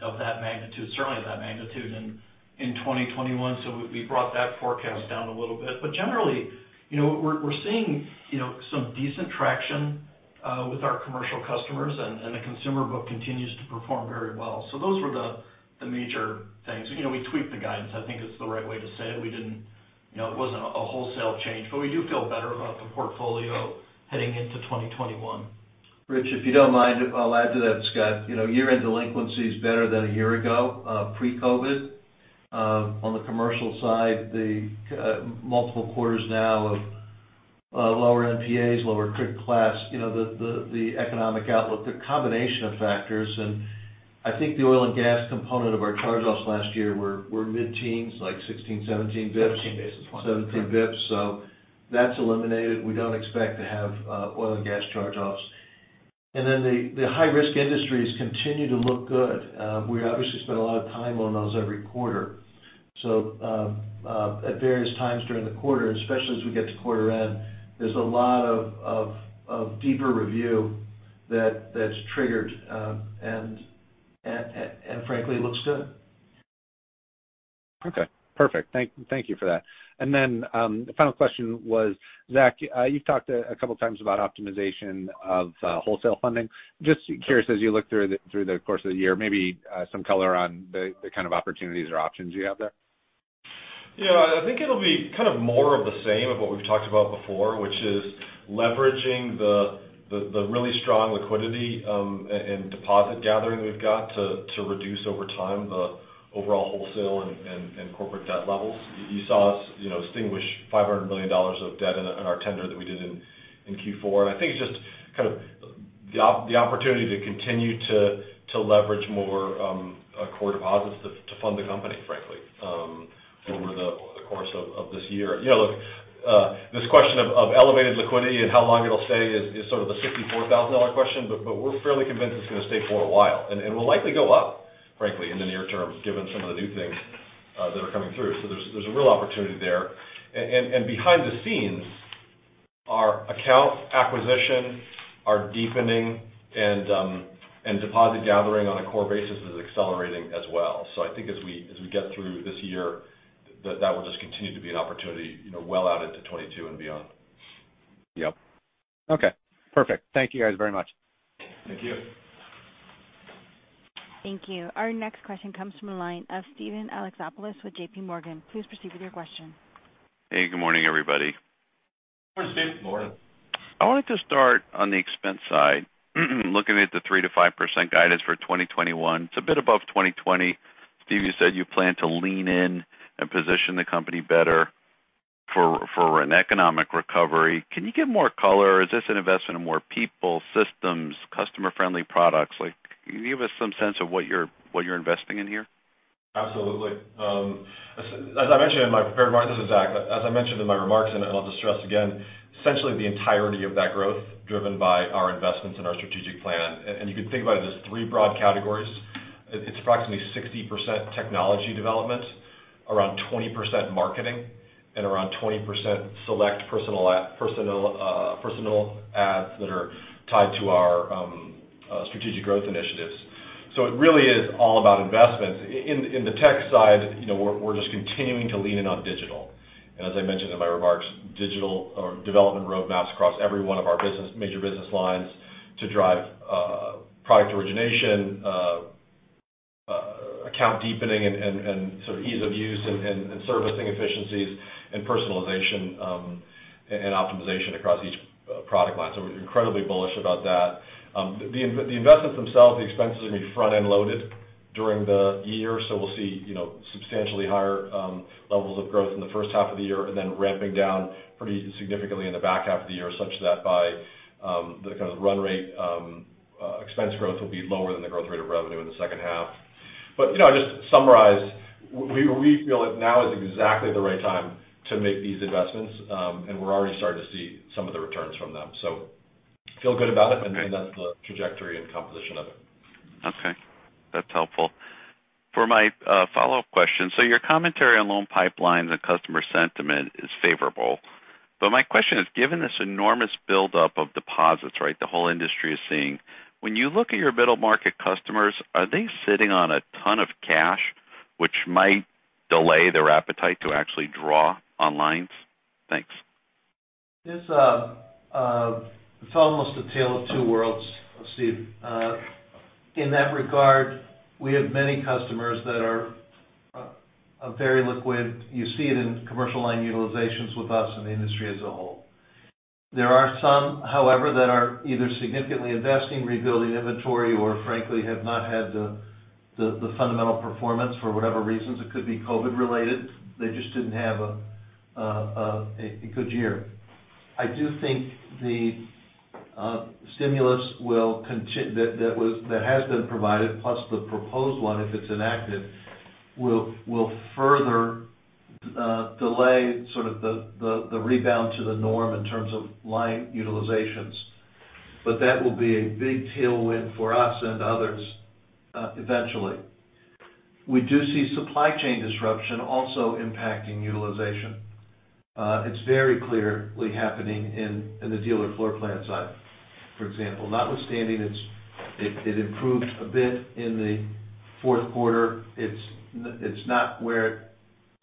of that magnitude, certainly of that magnitude in 2021. We brought that forecast down a little bit. Generally, we're seeing some decent traction with our commercial customers and the consumer book continues to perform very well. Those were the major things. We tweaked the guidance, I think is the right way to say it. It wasn't a wholesale change. We do feel better about the portfolio heading into 2021. Rich, if you don't mind, I'll add to that, Scott. Year-end delinquency is better than a year ago, pre-COVID. On the commercial side, the multiple quarters now of lower NPAs, lower criticized class, the economic outlook, the combination of factors. I think the oil and gas component of our charge-offs last year were mid-teens, like 16, 17 basis points. 17 basis points. 17 basis points. That's eliminated. We don't expect to have oil and gas charge-offs. The high-risk industries continue to look good. At various times during the quarter, especially as we get to quarter end, there's a lot of deeper review that's triggered. Frankly, it looks good. Okay. Perfect. Thank you for that. The final question was, Zach, you've talked a couple of times about optimization of wholesale funding. Just curious, as you look through the course of the year, maybe some color on the kind of opportunities or options you have there. Yeah, I think it'll be kind of more of the same of what we've talked about before, which is leveraging the really strong liquidity and deposit gathering we've got to reduce over time the overall wholesale and corporate debt levels. You saw us extinguish $500 million of debt in our tender that we did in Q4. It's just kind of the opportunity to continue to leverage more core deposits to fund the company, frankly, over the course of this year. This question of elevated liquidity and how long it'll stay is sort of the $64,000 question, but we're fairly convinced it's going to stay for a while. Will likely go up, frankly, in the near term, given some of the new things that are coming through. There's a real opportunity there. Behind the scenes, our account acquisition, our deepening, and deposit gathering on a core basis is accelerating as well. I think as we get through this year, that will just continue to be an opportunity well out into 2022 and beyond. Yes. Perfect. Thank you guys very much. Thank you. Thank you. Our next question comes from the line of Steven Alexopoulos with JPMorgan. Please proceed with your question. Hey, good morning, everybody. Good morning, Steve. Good morning. I wanted to start on the expense side. Looking at the 3%-5% guidance for 2021, it's a bit above 2020. Steve, you said you plan to lean in and position the company better for an economic recovery. Can you give more color? Is this an investment in more people, systems, customer-friendly products? Can you give us some sense of what you're investing in here? Absolutely. This is Zach. As I mentioned in my remarks, I'll just stress again, essentially the entirety of that growth driven by our investments and our strategic plan. You can think about it as three broad categories. It's approximately 60% technology development, around 20% marketing, and around 20% select personnel adds that are tied to our strategic growth initiatives. It really is all about investments. In the tech side, we're just continuing to lean in on digital. As I mentioned in my remarks, digital development roadmaps across every one of our major business lines to drive product origination, account deepening, and ease of use and servicing efficiencies and personalization and optimization across each product line. We're incredibly bullish about that. The investments themselves, the expenses are going to be front-end loaded during the year. We'll see substantially higher levels of growth in the first half of the year and then ramping down pretty significantly in the back half of the year such that by the kind of run rate expense growth will be lower than the growth rate of revenue in the second half. Just to summarize, we feel that now is exactly the right time to make these investments, and we're already starting to see some of the returns from them. Feel good about it and that's the trajectory and composition of it. Okay. That's helpful. For my follow-up question, your commentary on loan pipelines and customer sentiment is favorable. My question is, given this enormous buildup of deposits, right, the whole industry is seeing, when you look at your middle market customers, are they sitting on a ton of cash which might delay their appetite to actually draw on lines? Thanks. It's almost a tale of two worlds, Steve. In that regard, we have many customers that are very liquid. You see it in commercial line utilizations with us in the industry as a whole. There are some, however, that are either significantly investing, rebuilding inventory, or frankly, have not had the fundamental performance for whatever reasons. It could be COVID related. They just didn't have a good year. I do think the stimulus that has been provided, plus the proposed one, if it's enacted, will further delay the rebound to the norm in terms of line utilizations. That will be a big tailwind for us and others eventually. We do see supply chain disruption also impacting utilization. It's very clearly happening in the dealer floor plan side, for example. Notwithstanding, it improved a bit in the Q4.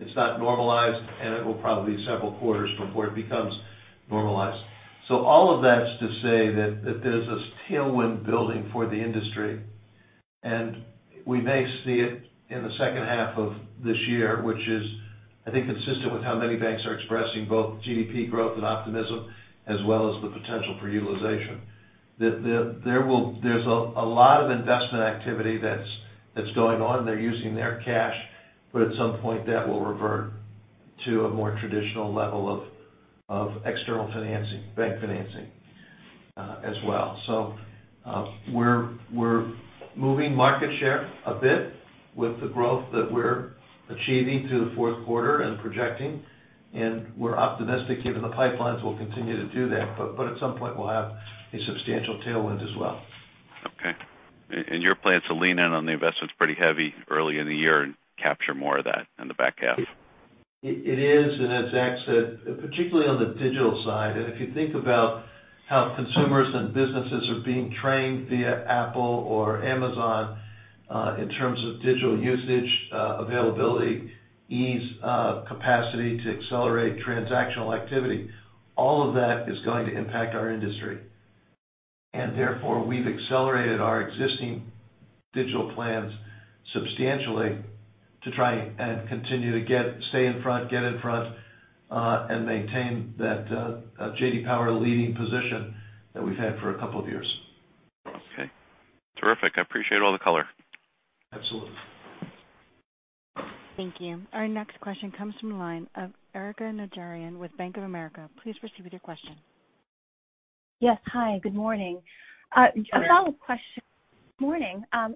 It's not normalized, and it will probably be several quarters before it becomes normalized. All of that's to say that there's this tailwind building for the industry, and we may see it in the second half of this year, which is, I think, consistent with how many banks are expressing both GDP growth and optimism, as well as the potential for utilization. There's a lot of investment activity that's going on. They're using their cash, but at some point that will revert to a more traditional level of external financing, bank financing as well. We're moving market share a bit with the growth that we're achieving through the Q4 and projecting, and we're optimistic given the pipelines will continue to do that. At some point, we'll have a substantial tailwind as well. Okay. Your plan is to lean in on the investments pretty heavy early in the year and capture more of that in the back half? It is, as Zach said, particularly on the digital side. If you think about how consumers and businesses are being trained via Apple or Amazon in terms of digital usage, availability, ease of capacity to accelerate transactional activity, all of that is going to impact our industry. Therefore, we've accelerated our existing digital plans substantially to try and continue to stay in front, get in front, and maintain that J.D. Power leading position that we've had for a couple of years. Okay. Terrific. I appreciate all the color. Absolutely. Thank you. Our next question comes from the line of Erika Najarian with Bank of America. Please proceed with your question. Yes. Hi, good morning. A follow-up question on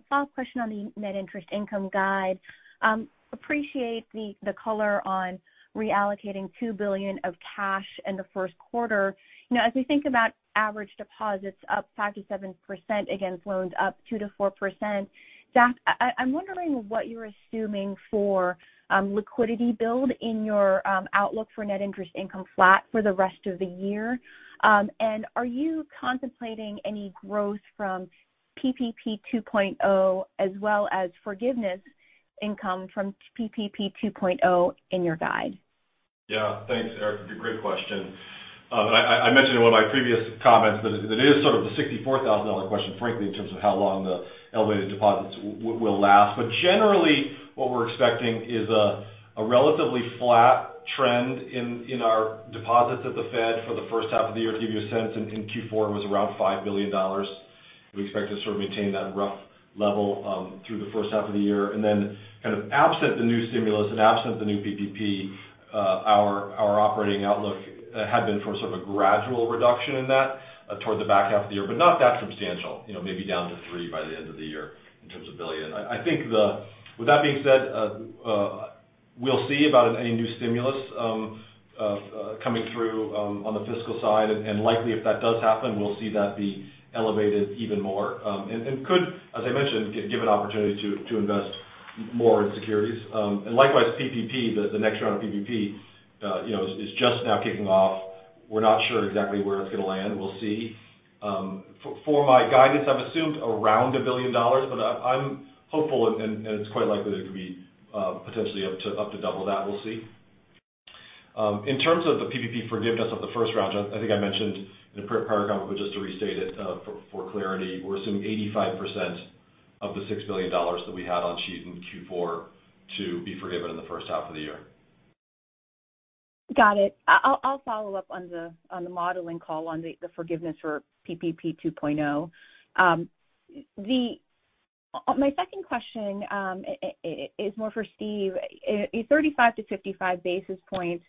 the net interest income guide. Appreciate the color on reallocating $2 billion of cash in the Q1. As we think about average deposits up 5%-7% against loans up 2%-4%, Zach, I'm wondering what you're assuming for liquidity build in your outlook for net interest income flat for the rest of the year. Are you contemplating any growth from PPP 2.0 as well as forgiveness income from PPP 2.0 in your guide? Yeah. Thanks, Erika. Great question. I mentioned in one of my previous comments that it is sort of the $64,000 question, frankly, in terms of how long the elevated deposits will last. Generally, what we're expecting is a relatively flat trend in our deposits at the Fed for the first half of the year. To give you a sense, in Q4, it was around $5 billion. Then kind of absent the new stimulus and absent the new PPP, our operating outlook had been for sort of a gradual reduction in that toward the back half of the year, but not that substantial, maybe down to $3 billion by the end of the year. With that being said, we'll see about any new stimulus coming through on the fiscal side. Likely if that does happen, we'll see that be elevated even more. Could, as I mentioned, give an opportunity to invest more in securities. Likewise, PPP, the next round of PPP is just now kicking off. We're not sure exactly where it's going to land. We'll see. For my guidance, I've assumed around $1 billion, but I'm hopeful, and it's quite likely that it could be potentially up to double that. We'll see. In terms of the PPP forgiveness of the first round, I think I mentioned in a prior comment, but just to restate it for clarity, we're assuming 85% of the $6 billion that we had on sheet in Q4 to be forgiven in the first half of the year. Got it. I'll follow up on the modeling call on the forgiveness for PPP 2.0. My second question is more for Steve. 35-55 basis points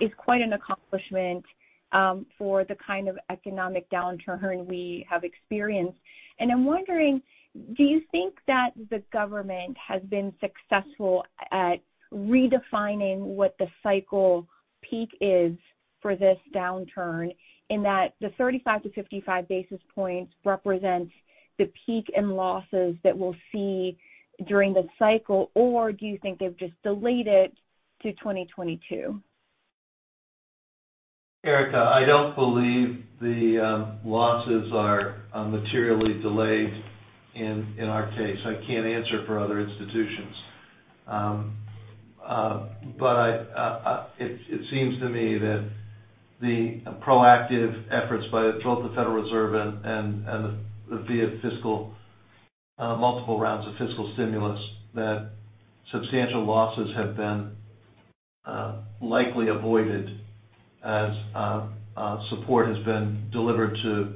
is quite an accomplishment for the kind of economic downturn we have experienced. I'm wondering, do you think that the government has been successful at redefining what the cycle peak is for this downturn in that the 35-55 basis points represents the peak in losses that we'll see during the cycle? Or do you think they've just delayed it to 2022? Erika, I don't believe the losses are materially delayed in our case. I can't answer for other institutions. It seems to me that the proactive efforts by both the Federal Reserve and the via fiscal multiple rounds of fiscal stimulus, that substantial losses have been likely avoided as support has been delivered to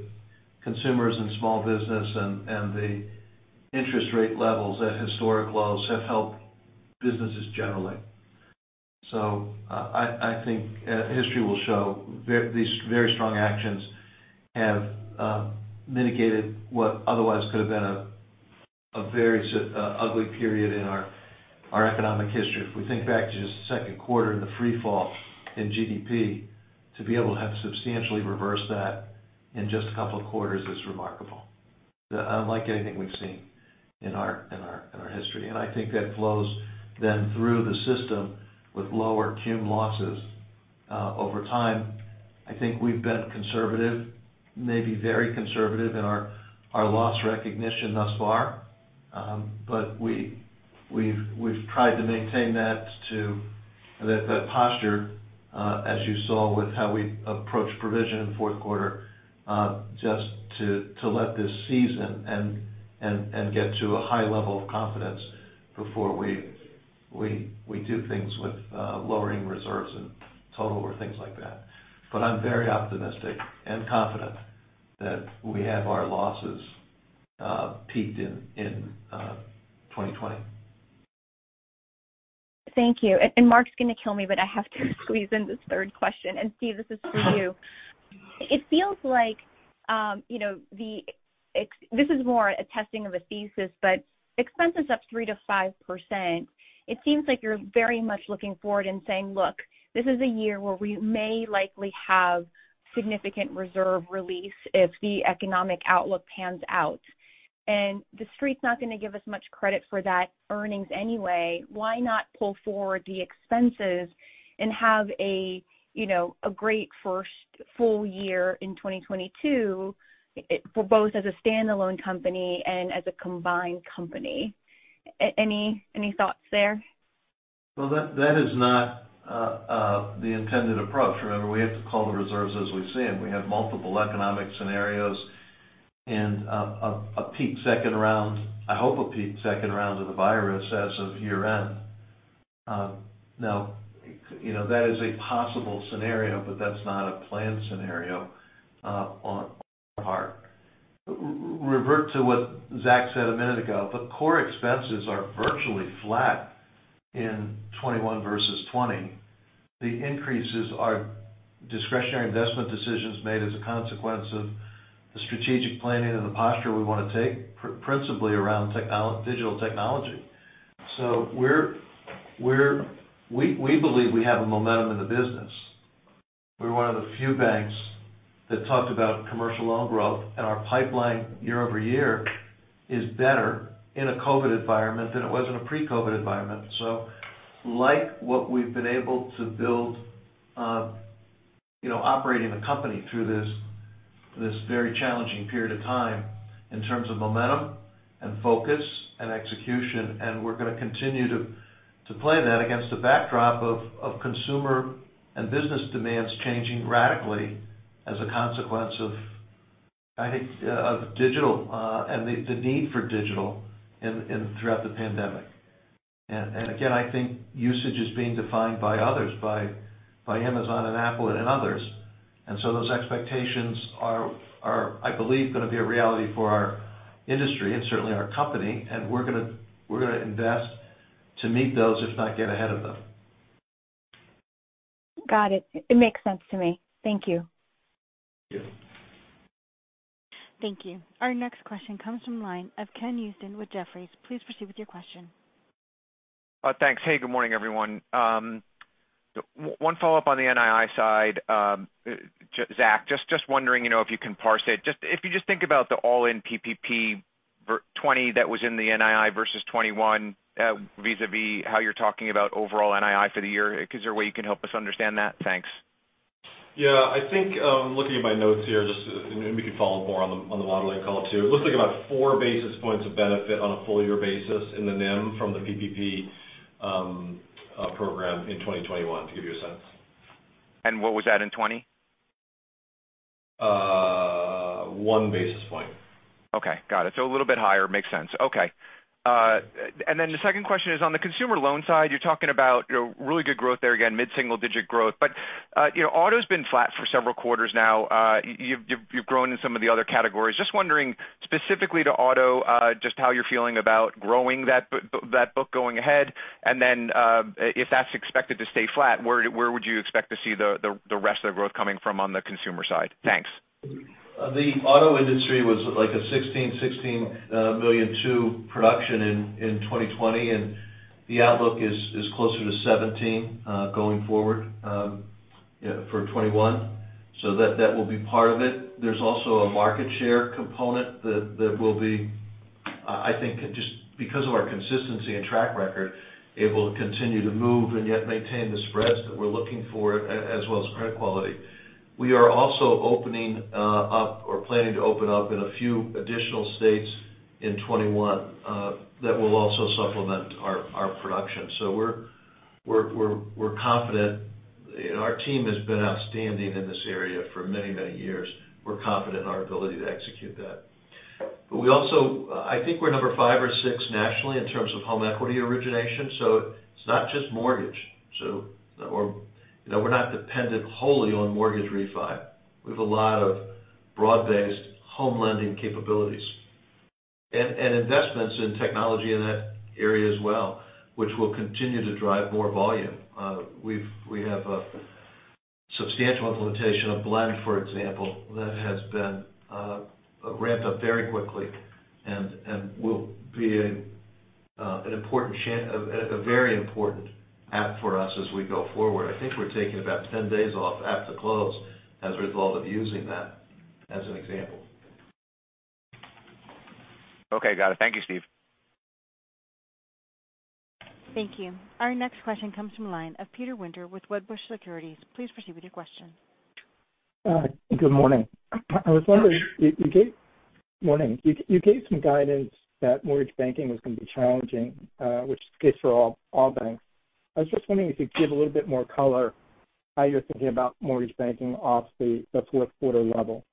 consumers and small business, and the interest rate levels at historic lows have helped businesses generally. I think history will show these very strong actions have mitigated what otherwise could have been a very ugly period in our economic history. If we think back to just the Q2 and the free fall in GDP, to be able to have substantially reversed that in just a couple of quarters is remarkable. Unlike anything we've seen in our history. I think that flows then through the system with lower cum losses. Over time, we've been conservative, maybe very conservative in our loss recognition thus far. We've tried to maintain that posture, as you saw with how we approached provision in the Q4, just to let this season and get to a high level of confidence before we do things with lowering reserves in total or things like that. I'm very optimistic and confident that we have our losses peaked in 2020. Thank you. Mark's going to kill me, but I have to squeeze in this third question. Steve, this is for you. This is more a testing of a thesis, but expense is up 3%-5%. It seems like you're very much looking forward and saying, "Look, this is a year where we may likely have significant reserve release if the economic outlook pans out." The Street's not going to give us much credit for that earnings anyway. Why not pull forward the expenses and have a great first full year in 2022 for both as a standalone company and as a combined company? Any thoughts there? That is not the intended approach. Remember, we have to call the reserves as we see them. We have multiple economic scenarios and a peak second round. I hope a peak second round of the virus as of year-end. That is a possible scenario, but that's not a planned scenario on our part. Revert to what Zach said a minute ago. The core expenses are virtually flat in 2021 versus 2020. The increases are discretionary investment decisions made as a consequence of the strategic planning and the posture we want to take, principally around digital technology. We believe we have a momentum in the business. We're one of the few banks that talked about commercial loan growth, and our pipeline year-over-year is better in a COVID environment than it was in a pre-COVID environment. Like what we've been able to build operating the company through this very challenging period of time in terms of momentum and focus and execution. We're going to continue to play that against the backdrop of consumer and business demands changing radically as a consequence of digital and the need for digital throughout the pandemic. Again, I think usage is being defined by others, by Amazon and Apple and others. Those expectations are, I believe, going to be a reality for our industry and certainly our company. We're going to invest to meet those, if not get ahead of them. Got it. It makes sense to me. Thank you. Yeah. Thank you. Our next question comes from the line of Ken Usdin with Jefferies. Please proceed with your question. Thanks. Hey, good morning, everyone. One follow-up on the NII side. Zach, just wondering if you can parse it. If you just think about the all-in PPP 2020 that was in the NII versus 2021 vis-a-vis how you're talking about overall NII for the year. Is there a way you can help us understand that? Thanks. Yeah. I think, looking at my notes here, and we can follow up more on the modeling call, too. It looks like about four basis points of benefit on a full-year basis in the NIM from the PPP program in 2021, to give you a sense. What was that in 2020? One basis point. Okay. Got it. A little bit higher. Makes sense. Okay. The second question is on the consumer loan side. You're talking about really good growth there again, mid-single digit growth. Auto's been flat for several quarters now. You've grown in some of the other categories. Just wondering specifically to auto, just how you're feeling about growing that book going ahead. If that's expected to stay flat, where would you expect to see the rest of the growth coming from on the consumer side? Thanks. The auto industry was like a 16.16 million to production in 2020, and the outlook is closer to 17 going forward for 2021. That will be part of it. There's also a market share component that will be, I think, just because of our consistency and track record, it will continue to move and yet maintain the spreads that we're looking for as well as credit quality. We are also opening up or planning to open up in a few additional states In 2021, that will also supplement our production. We're confident. Our team has been outstanding in this area for many, many years. We're confident in our ability to execute that. We also, I think we're number five or six nationally in terms of home equity origination. It's not just mortgage. We're not dependent wholly on mortgage refi. We have a lot of broad-based home lending capabilities and investments in technology in that area as well, which will continue to drive more volume. We have a substantial implementation of Blend, for example, that has been ramped up very quickly and will be a very important app for us as we go forward. I think we're taking about 10 days off at the close as a result of using that, as an example. Okay. Got it. Thank you, Steve. Thank you. Our next question comes from the line of Peter Winter with Wedbush Securities. Please proceed with your question. Good morning. I was wondering, you gave. Good morning. You gave some guidance that mortgage banking was going to be challenging, which is the case for all banks. I was just wondering if you could give a little bit more color how you're thinking about mortgage banking off the Q4 level.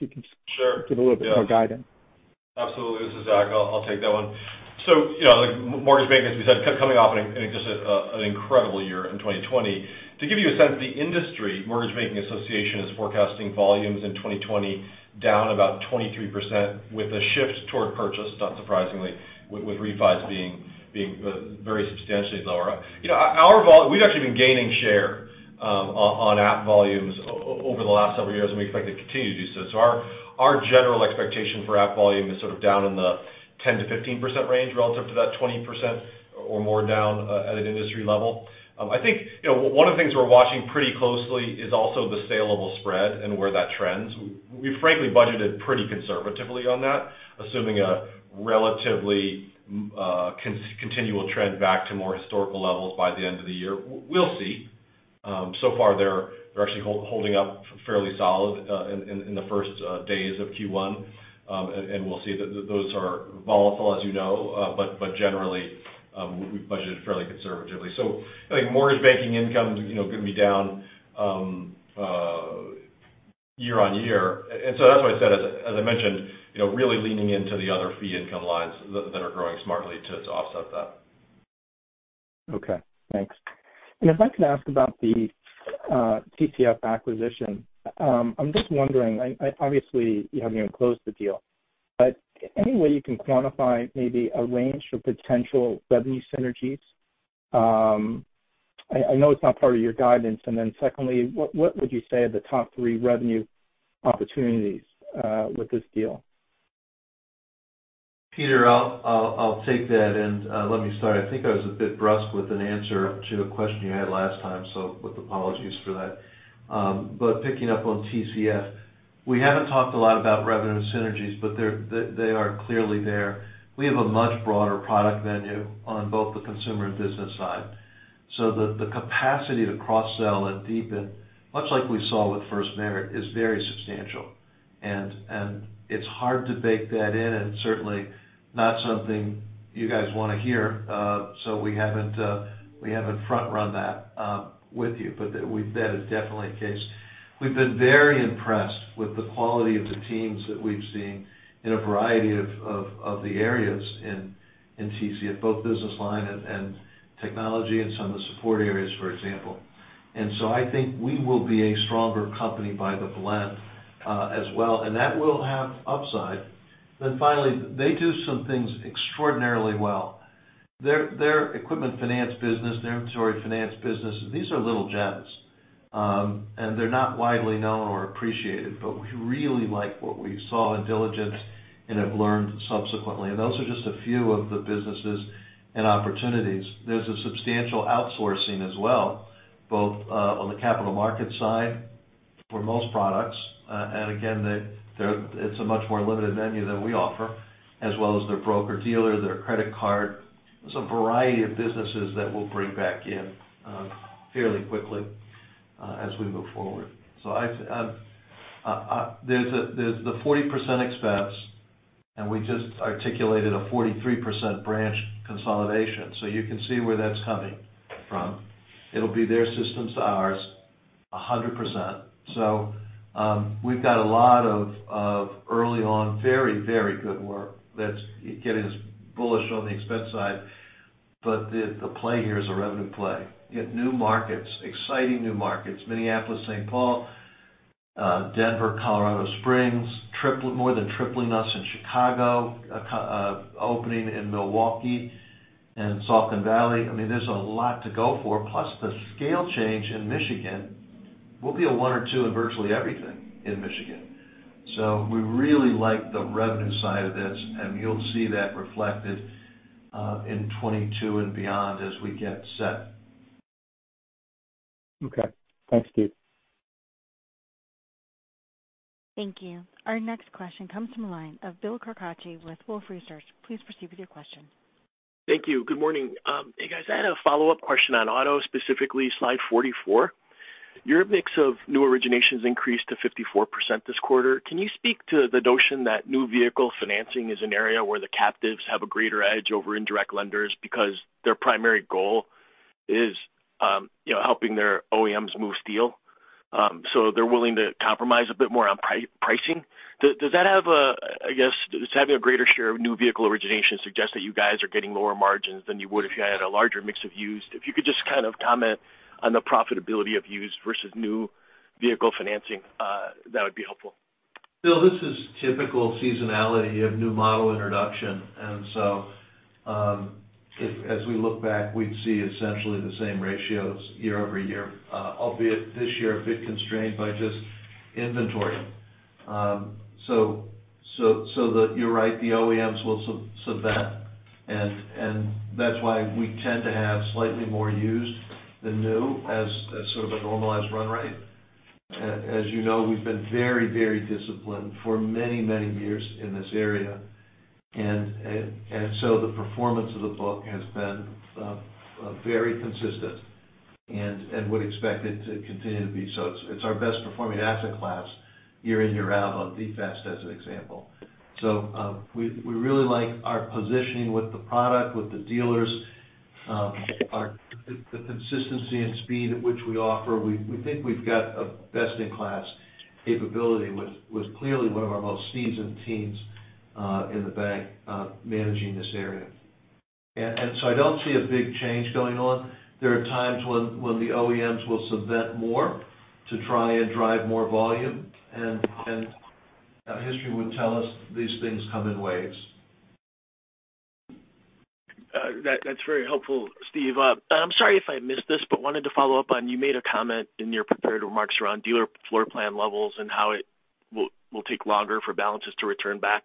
Sure. Give a little bit more guidance. Absolutely. This is Zach. I'll take that one. Mortgage banking, as we said, coming off an incredible year in 2020. To give you a sense of the industry, Mortgage Bankers Association is forecasting volumes in 2020 down about 23% with a shift toward purchase, not surprisingly, with refis being very substantially lower. We've actually been gaining share on app volumes over the last several years. We expect to continue to do so. Our general expectation for app volume is sort of down in the 10%-15% range relative to that 20% or more down at an industry level. I think one of the things we're watching pretty closely is also the saleable spread and where that trends. We frankly budgeted pretty conservatively on that, assuming a relatively continual trend back to more historical levels by the end of the year. We'll see. Far they're actually holding up fairly solid in the first days of Q1. We'll see. Those are volatile, as you know. Generally, we budgeted fairly conservatively. I think mortgage banking income is going to be down year-over-year. That's why I said, as I mentioned, really leaning into the other fee income lines that are growing smartly to offset that. Okay, thanks. If I could ask about the TCF acquisition. I'm just wondering, obviously, you haven't even closed the deal, but any way you can quantify maybe a range for potential revenue synergies? I know it's not part of your guidance. Secondly, what would you say are the top three revenue opportunities with this deal? Peter, I'll take that and let me start. I think I was a bit brusque with an answer to a question you had last time, with apologies for that. Picking up on TCF, we haven't talked a lot about revenue synergies, but they are clearly there. We have a much broader product menu on both the consumer and business side. The capacity to cross-sell and deepen, much like we saw with FirstMerit, is very substantial. It's hard to bake that in, and certainly not something you guys want to hear, so we haven't front run that with you. That is definitely the case. We've been very impressed with the quality of the teams that we've seen in a variety of the areas in TCF, both business line and technology and some of the support areas, for example. I think we will be a stronger company by the Blend as well, and that will have upside. Finally, they do some things extraordinarily well. Their equipment finance business, their inventory finance businesses, these are little gems. They're not widely known or appreciated, but we really like what we saw in diligence and have learned subsequently. Those are just a few of the businesses and opportunities. There's a substantial outsourcing as well, both on the capital markets side for most products. It's a much more limited menu than we offer, as well as their broker-dealer, their credit card. There's a variety of businesses that we'll bring back in fairly quickly as we move forward. There's the 40% expense, and we just articulated a 43% branch consolidation. You can see where that's coming from. It'll be their systems to ours 100%. We've got a lot of early on very good work that's getting us bullish on the expense side. The play here is a revenue play. You get new markets, exciting new markets, Minneapolis, St. Paul, Denver, Colorado Springs. More than tripling us in Chicago, opening in Milwaukee and Silicon Valley. I mean, there's a lot to go for. Plus the scale change in Michigan. We'll be a one or two in virtually everything in Michigan. We really like the revenue side of this, and you'll see that reflected in 2022 and beyond as we get set. Okay. Thanks, Steve. Thank you. Our next question comes from the line of Bill Carcache with Wolfe Research. Please proceed with your question. Thank you. Good morning. Hey, guys. I had a follow-up question on auto, specifically slide 44. Your mix of new originations increased to 54% this quarter. Can you speak to the notion that new vehicle financing is an area where the captives have a greater edge over indirect lenders because their primary goal is helping their OEMs move steel, so they're willing to compromise a bit more on pricing? Does having a greater share of new vehicle originations suggest that you guys are getting lower margins than you would if you had a larger mix of used? If you could just kind of comment on the profitability of used versus new vehicle financing, that would be helpful. Bill Carcache, this is typical seasonality of new model introduction. As we look back, we'd see essentially the same ratios year-over-year, albeit this year a bit constrained by just inventory. You're right, the OEMs will subvent, and that's why we tend to have slightly more used than new as sort of a normalized run rate. As you know, we've been very disciplined for many years in this area. The performance of the book has been very consistent, and we expect it to continue to be so. It's our best performing asset class year in, year out on DFAST, as an example. We really like our positioning with the product, with the dealers. The consistency and speed at which we offer, we think we've got a best-in-class capability with clearly one of our most seasoned teams in the bank managing this area. I don't see a big change going on. There are times when the OEMs will subvent more to try and drive more volume. History would tell us these things come in waves. That's very helpful, Steve. I'm sorry if I missed this, but wanted to follow up on, you made a comment in your prepared remarks around dealer floor plan levels and how it will take longer for balances to return back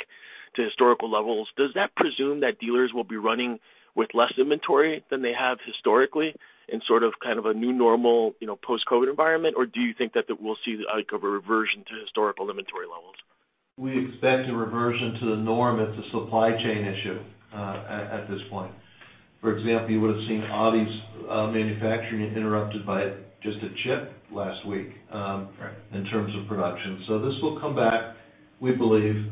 to historical levels. Does that presume that dealers will be running with less inventory than they have historically in sort of a new normal post-COVID environment? Do you think that we'll see like a reversion to historical inventory levels? We expect a reversion to the norm. It's a supply chain issue at this point. For example, you would've seen Audi's manufacturing interrupted by just a chip last week. In terms of production. This will come back, we believe,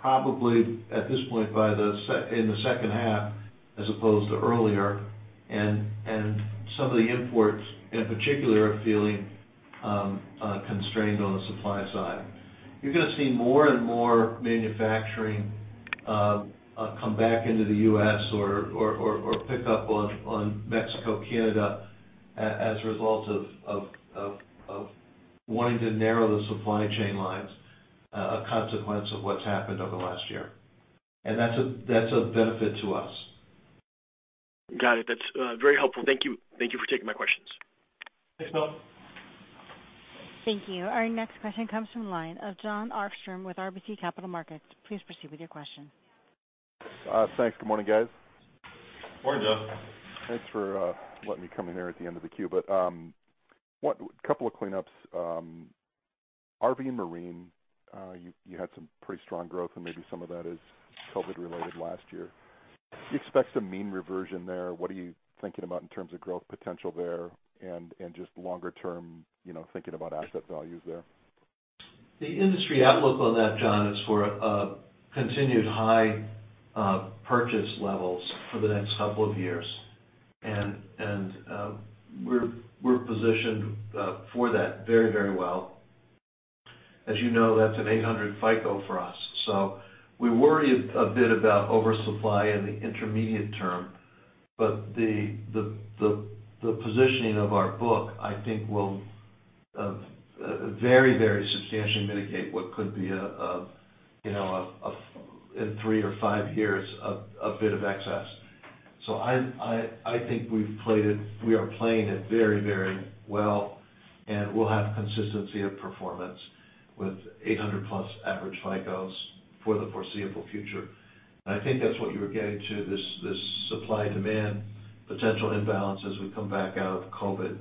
probably at this point in the second half as opposed to earlier. Some of the imports, in particular, are feeling constrained on the supply side. You're going to see more and more manufacturing come back into the U.S. or pick up on Mexico, Canada, as a result of wanting to narrow the supply chain lines, a consequence of what's happened over the last year. That's a benefit to us. Got it. That's very helpful. Thank you. Thank you for taking my questions. Thanks, Bill. Thank you. Our next question comes from the line of Jon Arfstrom with RBC Capital Markets. Please proceed with your question. Thanks. Good morning, guys. Good orning, Jon. Thanks for letting me come in here at the end of the queue. Couple of cleanups. RV and marine, you had some pretty strong growth, and maybe some of that is COVID related last year. Do you expect some mean reversion there? What are you thinking about in terms of growth potential there and just longer term, thinking about asset values there? The industry outlook on that, John, is for continued high purchase levels for the next couple of years. We're positioned for that very well. As you know, that's an 800 FICO for us. We worry a bit about oversupply in the intermediate term. The positioning of our book will very substantially mitigate what could be, in three or five years, a bit of excess. I think we are playing it very well, and we'll have consistency of performance with 800-plus average FICOs for the foreseeable future. I think that's what you were getting to, this supply-demand potential imbalance as we come back out of COVID.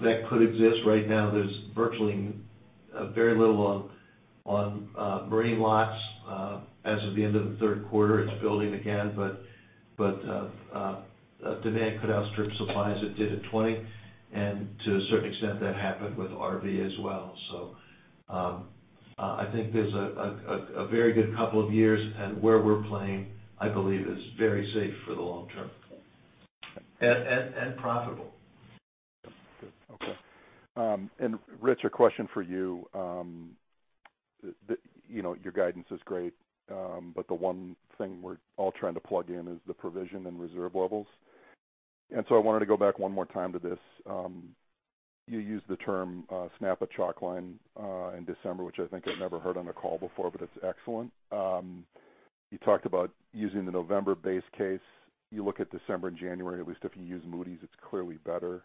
That could exist. Right now, there's virtually very little on marine lots. As of the end of the Q3, it's building again. Demand could outstrip supplies; it did in 2020. To a certain extent, that happened with RV as well. There's a very good couple of years. Where we're playing, I believe, is very safe for the long term. Profitable. Good. Okay. Rich, a question for you. Your guidance is great, the one thing we're all trying to plug in is the provision and reserve levels. I wanted to go back one more time to this. You used the term, "Snap a chalk line," in December, which I think I've never heard on a call before, but it's excellent. You talked about using the November base case. You look at December and January, at least if you use Moody's, it's clearly better.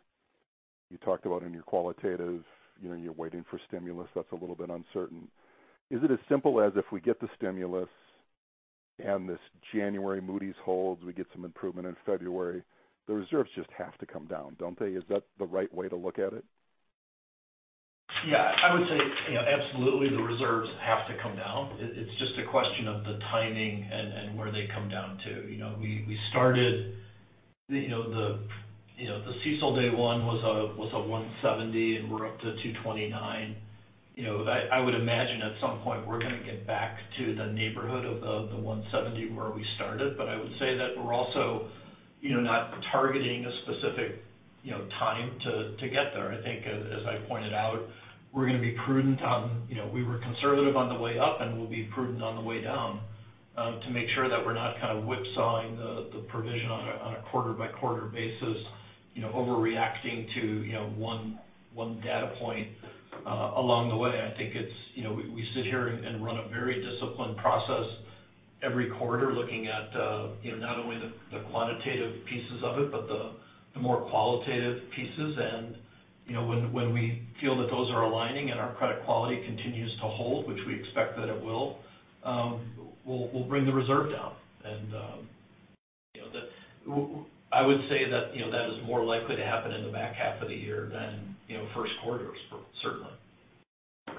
You talked about in your qualitative, you're waiting for stimulus. That's a little bit uncertain. Is it as simple as if we get the stimulus and this January Moody's holds, we get some improvement in February, the reserves just have to come down, don't they? Is that the right way to look at it? Yeah, I would say absolutely the reserves have to come down. It's just a question of the timing and where they come down to. We started the CECL day one was a 170, and we're up to 229. I would imagine at some point we're going to get back to the neighborhood of the 170 where we started. But I would say that we're also not targeting a specific time to get there. I think as I pointed out, we're going to be prudent on, we were conservative on the way up, and we'll be prudent on the way down to make sure that we're not kind of whipsawing the provision on a quarter-by-quarter basis, overreacting to one data point along the way. I think we sit here and run a very disciplined process every quarter looking at not only the quantitative pieces of it, but the more qualitative pieces. When we feel that those are aligning and our credit quality continues to hold, which we expect that it will, we'll bring the reserve down. I would say that is more likely to happen in the back half of the year than Q1, certainly. Okay,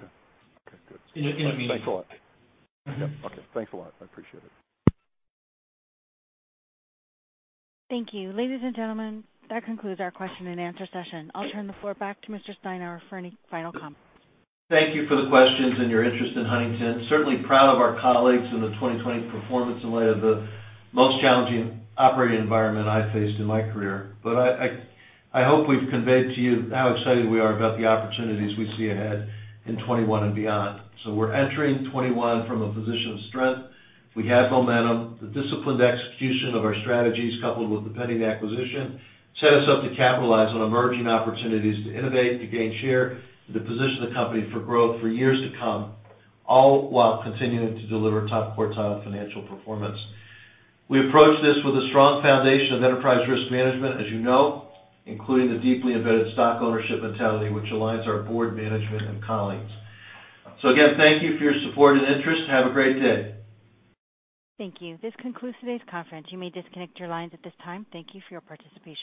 good. You know what I mean? Thanks a lot. Yes. Okay. Thanks a lot. I appreciate it. Thank you. Ladies and gentlemen, that concludes our question and answer session. I'll turn the floor back to Mr. Steinour for any final comments. Thank you for the questions and your interest in Huntington. Certainly proud of our colleagues and the 2020 performance in light of the most challenging operating environment I faced in my career. I hope we've conveyed to you how excited we are about the opportunities we see ahead in 2021 and beyond. We're entering 2021 from a position of strength. We have momentum. The disciplined execution of our strategies coupled with the pending acquisition set us up to capitalize on emerging opportunities to innovate, to gain share, and to position the company for growth for years to come, all while continuing to deliver top quartile financial performance. We approach this with a strong foundation of enterprise risk management, as you know, including the deeply embedded stock ownership mentality, which aligns our board, management, and colleagues. Again, thank you for your support and interest. Have a great day. Thank you. This concludes today's conference. You may disconnect your lines at this time. Thank you for your participation.